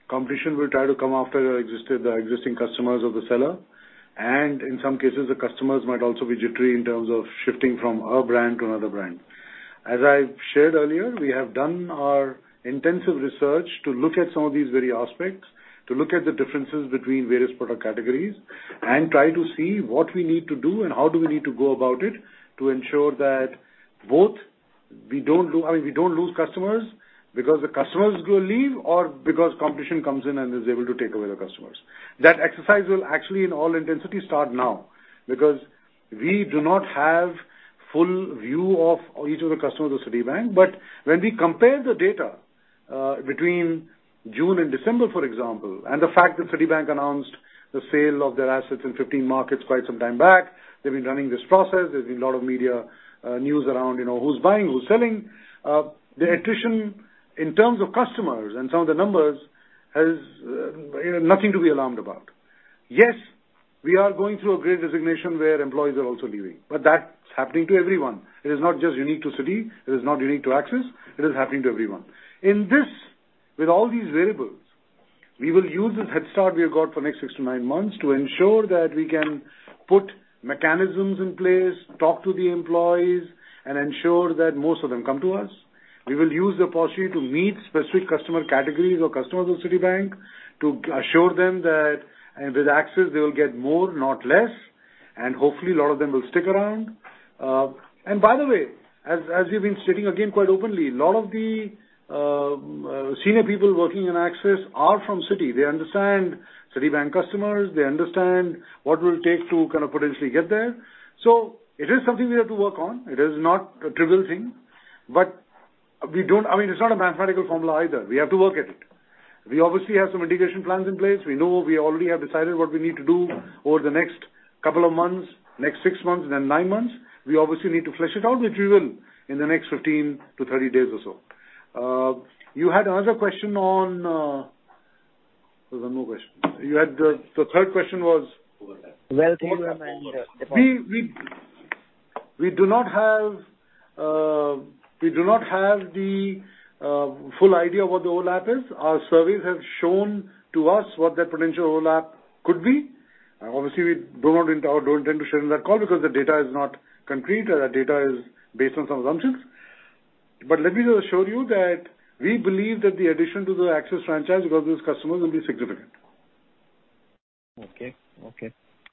competition will try to come after the existing customers of the seller, and in some cases, the customers might also be jittery in terms of shifting from our brand to another brand. As I've shared earlier, we have done our intensive research to look at some of these very aspects, to look at the differences between various product categories and try to see what we need to do and how we need to go about it to ensure that, I mean, we don't lose customers because the customers will leave or because competition comes in and is able to take away the customers. That exercise will actually in all intensity start now, because we do not have full view of each of the customers of Citibank. When we compare the data between June and December, for example, and the fact that Citibank announced the sale of their assets in 15 markets quite some time back, they've been running this process. There's been a lot of media news around, you know, who's buying, who's selling. The attrition in terms of customers and some of the numbers has nothing to be alarmed about. Yes, we are going through a great resignation where employees are also leaving, but that's happening to everyone. It is not just unique to Citi, it is not unique to Axis, it is happening to everyone. In this, with all these variables, we will use this head start we have got for next six-nine months to ensure that we can put mechanisms in place, talk to the employees and ensure that most of them come to us. We will use the opportunity to meet specific customer categories or customers of Citibank to assure them that, with Axis they will get more, not less. Hopefully a lot of them will stick around. By the way, as we've been stating again quite openly, a lot of the senior people working in Axis are from Citi. They understand Citibank customers, they understand what it will take to kind of potentially get there. So it is something we have to work on. It is not a trivial thing, but we don't. I mean, it's not a mathematical formula either. We have to work at it. We obviously have some integration plans in place. We know we already have decided what we need to do over the next couple of months, next six months and then nine months. We obviously need to flesh it out, which we will in the next 15-30 days or so. You had another question on. There was no question. You had the third question was? Wealth AUM and deposits. We do not have the full idea what the overlap is. Our surveys have shown to us what that potential overlap could be. Obviously, we do not intend to share in that call because the data is not concrete. The data is based on some assumptions. Let me just assure you that we believe that the addition to the Axis franchise because of these customers will be significant. Okay,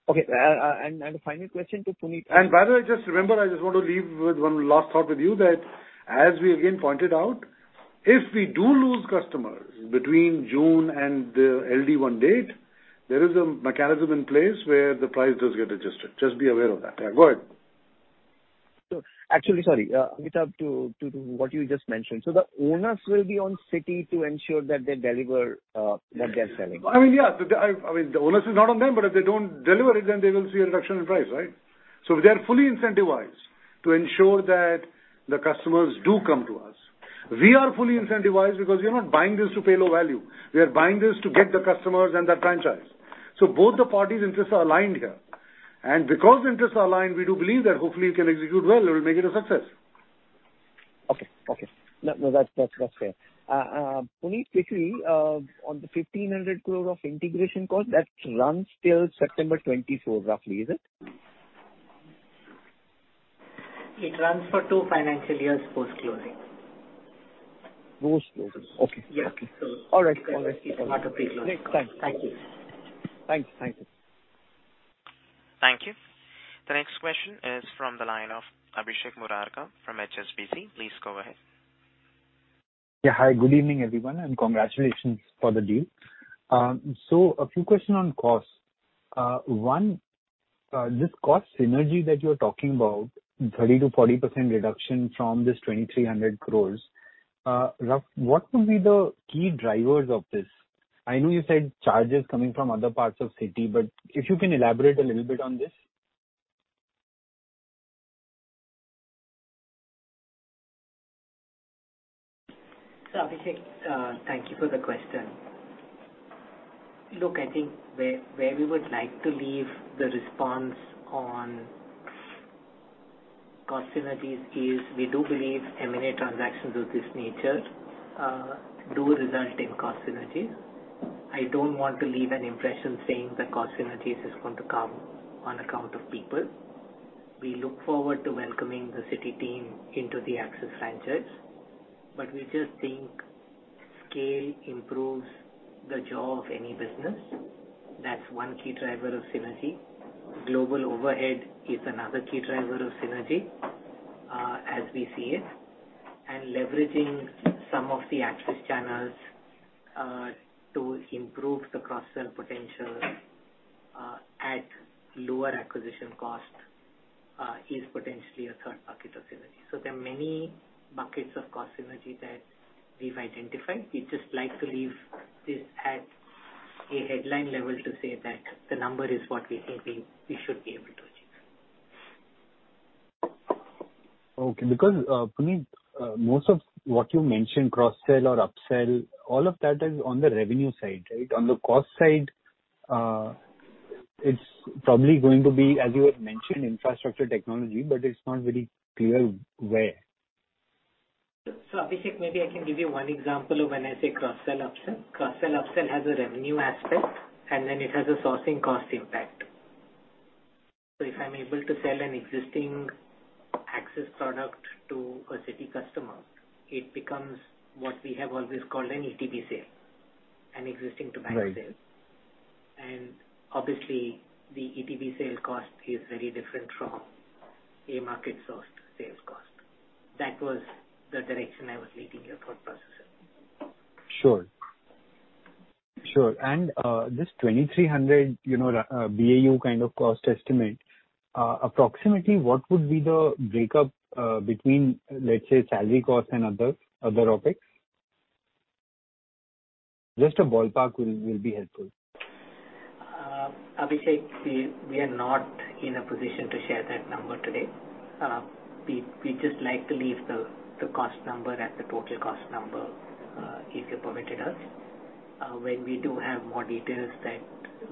the final question to Puneet. By the way, just remember, I just want to leave with one last thought with you that as we again pointed out, if we do lose customers between June and the LD1 date, there is a mechanism in place where the price does get adjusted. Just be aware of that. Yeah, go ahead. Actually, sorry. Yeah, Puneet, up to what you just mentioned. The onus will be on Citi to ensure that they deliver what they're selling? I mean, yeah. I mean, the onus is not on them, but if they don't deliver it then they will see a reduction in price, right? They are fully incentivized to ensure that the customers do come to us. We are fully incentivized because we are not buying this to pay low value. We are buying this to get the customers and that franchise. Both the parties interests are aligned here. Because interests are aligned, we do believe that hopefully we can execute well. It will make it a success. Okay. No, that's fair. Puneet specifically, on the 1,500 crore of integration cost, that runs till September 2024 roughly, is it? It runs for two financial years post-closing. Post-closing. [audio distortion] It's not a pre-closing cost. Thank you. Thank you. Thank you. The next question is from the line of Abhishek Murarka from HSBC. Please go ahead. Yeah. Hi, good evening, everyone, and congratulations for the deal. A few questions on costs. One, this cost synergy that you're talking about, 30%-40% reduction from this 2,300 crore, what would be the key drivers of this? I know you said charges coming from other parts of Citi, but if you can elaborate a little bit on this. Abhishek, thank you for the question. Look, I think where we would like to leave the response on cost synergies is we do believe M&A transactions of this nature do result in cost synergies. I don't want to leave an impression saying the cost synergies is going to come on account of people. We look forward to welcoming the Citi team into the Axis franchise. We just think scale improves the jaw of any business. That's one key driver of synergy. Global overhead is another key driver of synergy, as we see it. Leveraging some of the Axis channels to improve the cross-sell potential at lower acquisition cost is potentially a third bucket of synergy. There are many buckets of cost synergy that we've identified. We'd just like to leave this at a headline level to say that the number is what we think we should be able to achieve. Okay. Because, Puneet, most of what you mentioned, cross-sell or up-sell, all of that is on the revenue side, right? On the cost side, it's probably going to be, as you had mentioned, infrastructure technology, but it's not very clear where. Abhishek, maybe I can give you one example of when I say cross-sell, up-sell. Cross-sell, up-sell has a revenue aspect, and then it has a sourcing cost impact. If I'm able to sell an existing Axis product to a Citi customer, it becomes what we have always called an ETB sale, an existing to bank sale. And obviously, the ETB sale cost is very different from a market sourced sales cost. That was the direction I was leading you for cross-sell, up-sell. Sure. This 2,300, you know, BAU kind of cost estimate, approximately what would be the breakup between, let's say, salary costs and other OpEx? Just a ballpark will be helpful. Abhishek, we are not in a position to share that number today. We'd just like to leave the cost number as the total cost number, if you permit us. When we do have more details that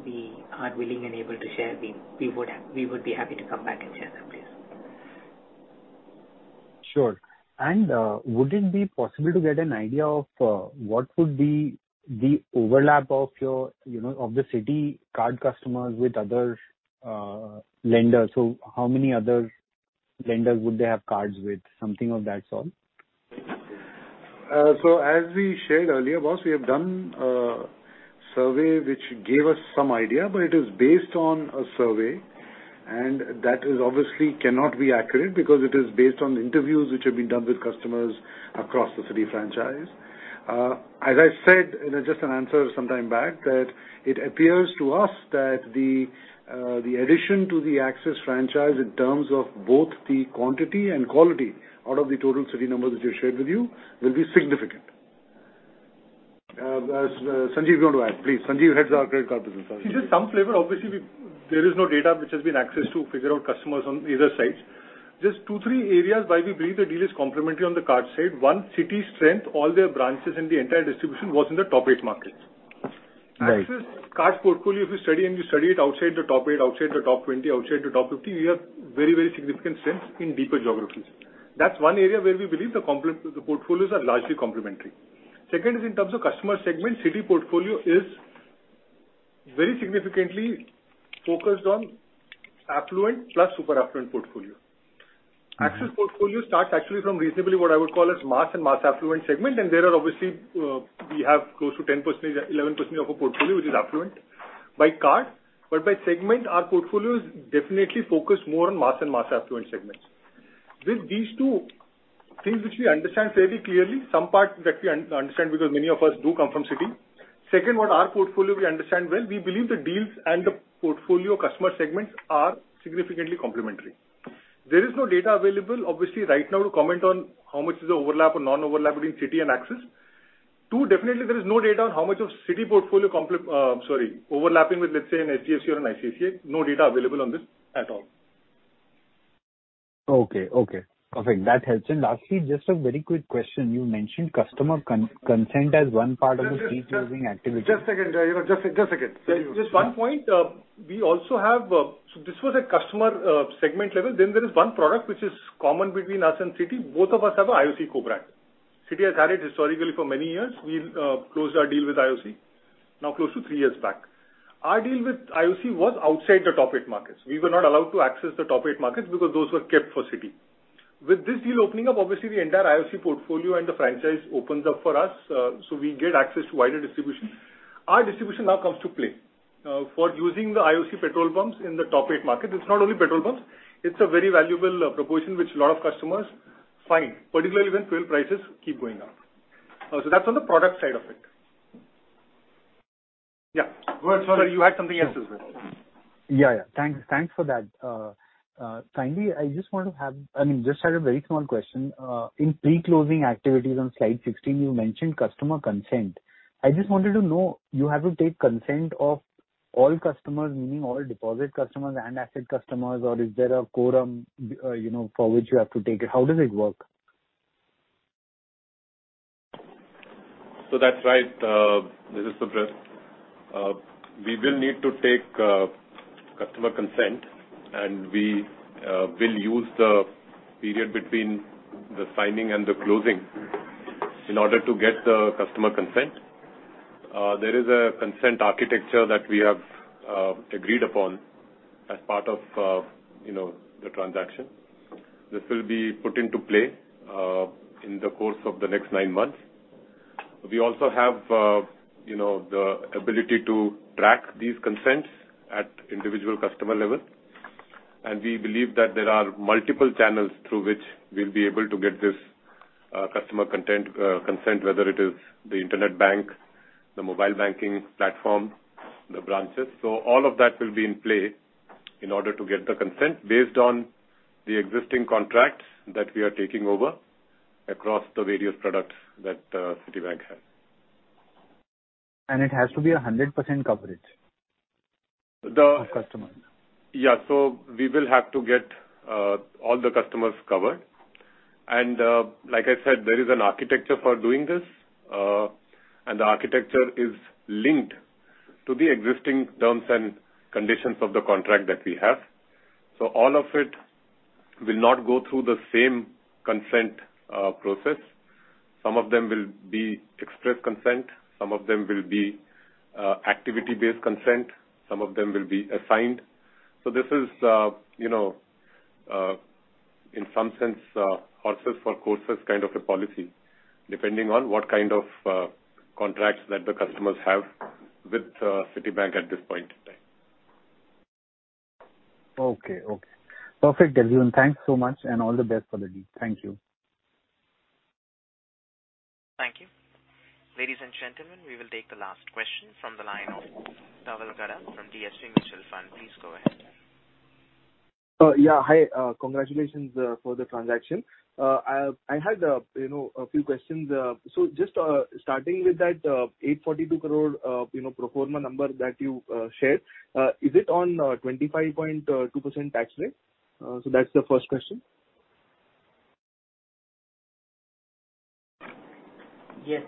we are willing and able to share, we would be happy to come back and share that with you. Sure. Would it be possible to get an idea of what would be the overlap of your, you know, of the Citi card customers with other lenders? How many other lenders would they have cards with? Something of that sort. As we shared earlier, boss, we have done a survey which gave us some idea, but it is based on a survey, and that obviously cannot be accurate because it is based on interviews which have been done with customers across the Citi franchise. As I said in just an answer some time back, that it appears to us that the addition to the Axis franchise in terms of both the quantity and quality out of the total Citi numbers which I shared with you will be significant. Sanjeev, you want to add? Please. Sanjeev heads our credit card business. To give some flavor, obviously there is no data which has been accessed to figure out customers on either sides. Just two, three areas why we believe the deal is complementary on the card side. One, Citi's strength, all their branches in the entire distribution was in the top eight markets. Right. Axis card portfolio, if you study it outside the top 8, outside the top 20, outside the top 50, we have very, very significant strength in deeper geographies. That's one area where we believe the portfolios are largely complementary. Second is in terms of customer segment. Citi portfolio is very significantly focused on affluent plus super affluent portfolio. Axis portfolio starts actually from reasonably what I would call as mass and mass affluent segment, and there are obviously we have close to 10%, 11% of our portfolio which is affluent by card. But by segment, our portfolio is definitely focused more on mass and mass affluent segments. With these two things which we understand fairly clearly, some parts that we understand because many of us do come from Citi. Second, what our portfolio we understand well, we believe the deals and the portfolio customer segments are significantly complementary. There is no data available, obviously, right now to comment on how much is the overlap or non-overlap between Citi and Axis. Too, definitely there is no data on how much of Citi portfolio overlapping with, let's say, an HDFC or an ICICI. No data available on this at all. Okay. Okay. Perfect. That helps. Lastly, just a very quick question. You mentioned customer consent as one part of the pre-closing activity. Just a second. Just one point. We also have. This was a customer segment level. Then there is one product which is common between us and Citi. Both of us have a IOC co-brand. Citi has had it historically for many years. We closed our deal with IOC now close to three years back. Our deal with IOC was outside the top eight markets. We were not allowed to access the top eight markets because those were kept for Citi. With this deal opening up, obviously the entire IOC portfolio and the franchise opens up for us, so we get access to wider distribution. Our distribution now comes to play for using the IOC petrol pumps in the top eight market. It's not only petrol pumps, it's a very valuable proposition which a lot of customers find, particularly when fuel prices keep going up. That's on the product side of it. Yeah. Go ahead, sorry. You had something else as well. Yeah. Thanks for that. Finally, I mean, just had a very small question. In pre-closing activities on slide 16, you mentioned customer consent. I just wanted to know, you have to take consent of all customers, meaning all deposit customers and asset customers, or is there a quorum, you know, for which you have to take it? How does it work? That's right. This is Subrat. We will need to take customer consent, and we will use the period between the signing and the closing in order to get the customer consent. There is a consent architecture that we have agreed upon as part of, you know, the transaction. This will be put into play in the course of the next nine months. We also have, you know, the ability to track these consents at individual customer level, and we believe that there are multiple channels through which we'll be able to get this customer consent, whether it is the internet bank, the mobile banking platform, the branches. All of that will be in play in order to get the consent based on the existing contracts that we are taking over across the various products that Citibank has. It has to be 100% coverage of customers. Yeah. We will have to get all the customers covered. Like I said, there is an architecture for doing this, and the architecture is linked to the existing terms and conditions of the contract that we have. All of it will not go through the same consent process. Some of them will be express consent, some of them will be activity-based consent, some of them will be assigned. This is, you know, in some sense, horses for courses kind of a policy, depending on what kind of contracts that the customers have with Citibank at this point in time. Okay. Perfect. Everyone, thanks so much and all the best for the deal. Thank you. Thank you. Ladies and gentlemen, we will take the last question from the line of Dhaval Gada from DSP Mutual Fund. Please go ahead. Yeah. Hi. Congratulations for the transaction. I had, you know, a few questions. Just starting with that 842 crore, you know, pro forma number that you shared. Is it on 25.2% tax rate? That's the first question. Yes.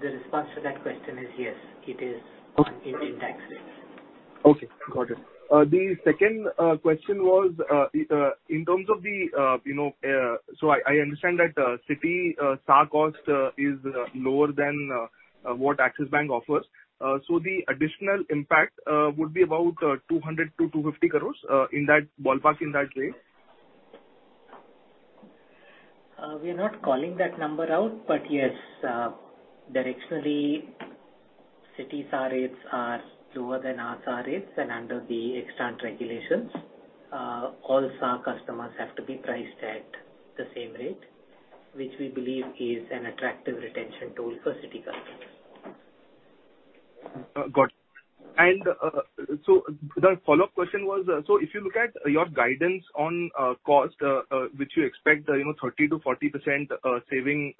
The response to that question is yes, it is in tax rates. Okay. Got it. The second question was in terms of the you know so I understand that Citi SA rate cost is lower than what Axis Bank offers. So the additional impact would be about 200 crore-250 crores in that ballpark in that range? We are not calling that number out, but yes, directionally, Citi SAR rates are lower than our SAR rates and under the extant regulations, all SAR customers have to be priced at the same rate, which we believe is an attractive retention tool for Citi customers. Got it. The follow-up question was, so if you look at your guidance on cost, which you expect, you know, 30%-40% saving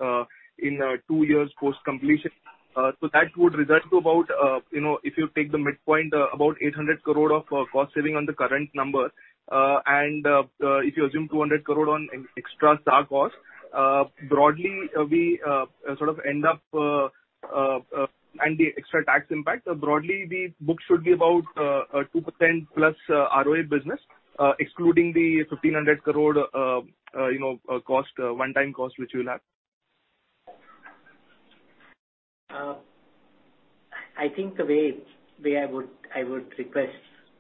in two years post-completion, so that would result to about, you know, if you take the midpoint about 800 crore of cost saving on the current number, and if you assume 200 crore on ex-extra SA rate cost, broadly, we sort of end up and the extra tax impact. Broadly, the book should be about a 2%+ ROA business, excluding the 1,500 crore one-time cost which you'll have. I think the way I would request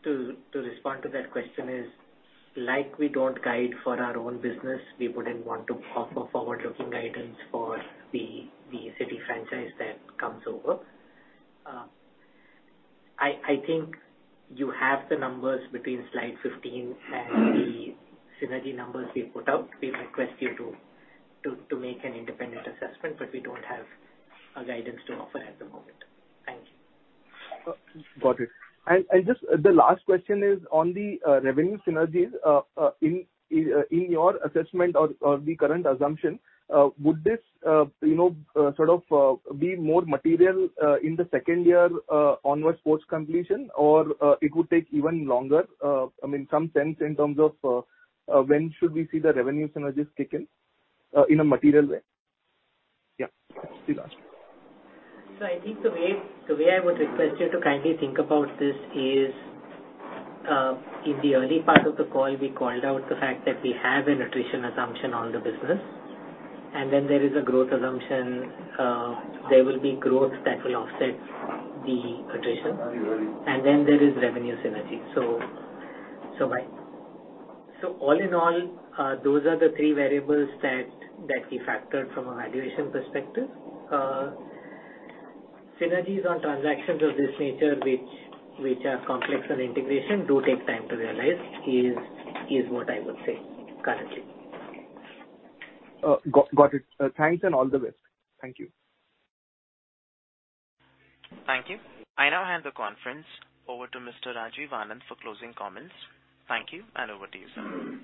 to respond to that question is, like we don't guide for our own business, we wouldn't want to offer forward-looking guidance for the Citi franchise that comes over. I think you have the numbers between slide 15 and the synergy numbers we put out. We request you to make an independent assessment, but we don't have a guidance to offer at the moment. Thank you. Got it. Just the last question is on the revenue synergies. In your assessment or the current assumption, would this, you know, sort of be more material in the second year onwards post-completion or it would take even longer? I mean, some sense in terms of when should we see the revenue synergies kick in in a material way? Yeah, please ask. I think the way I would request you to kindly think about this is, in the early part of the call, we called out the fact that we have an attrition assumption on the business. There is a growth assumption. There will be growth that will offset the attrition. There is revenue synergy. All in all, those are the three variables that we factored from a valuation perspective. Synergies on transactions of this nature, which are complex on integration, do take time to realize, is what I would say currently. Got it. Thanks and all the best. Thank you. Thank you. I now hand the conference over to Mr. Rajiv Anand for closing comments. Thank you, and over to you, sir.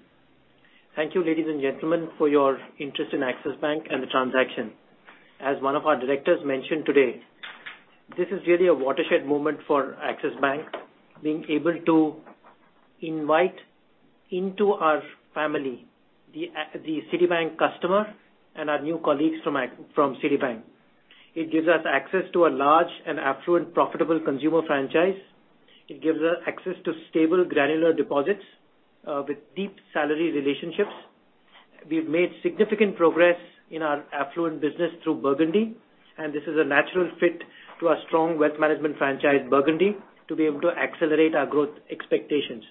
Thank you, ladies and gentlemen, for your interest in Axis Bank and the transaction. As one of our directors mentioned today, this is really a watershed moment for Axis Bank, being able to invite into our family the Citibank customer and our new colleagues from Citibank. It gives us access to a large and affluent, profitable consumer franchise. It gives us access to stable, granular deposits with deep salary relationships. We've made significant progress in our affluent business through Burgundy, and this is a natural fit to our strong wealth management franchise, Burgundy, to be able to accelerate our growth expectations.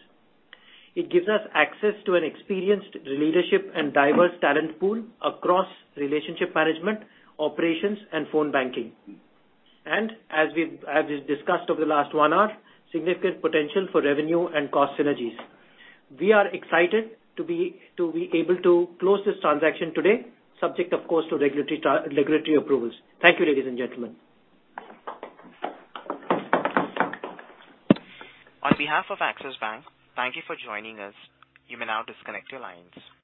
It gives us access to an experienced leadership and diverse talent pool across relationship management, operations, and phone banking. As we've discussed over the last one hour, significant potential for revenue and cost synergies. We are excited to be able to close this transaction today, subject of course to regulatory approvals. Thank you, ladies and gentlemen. On behalf of Axis Bank, thank you for joining us. You may now disconnect your lines.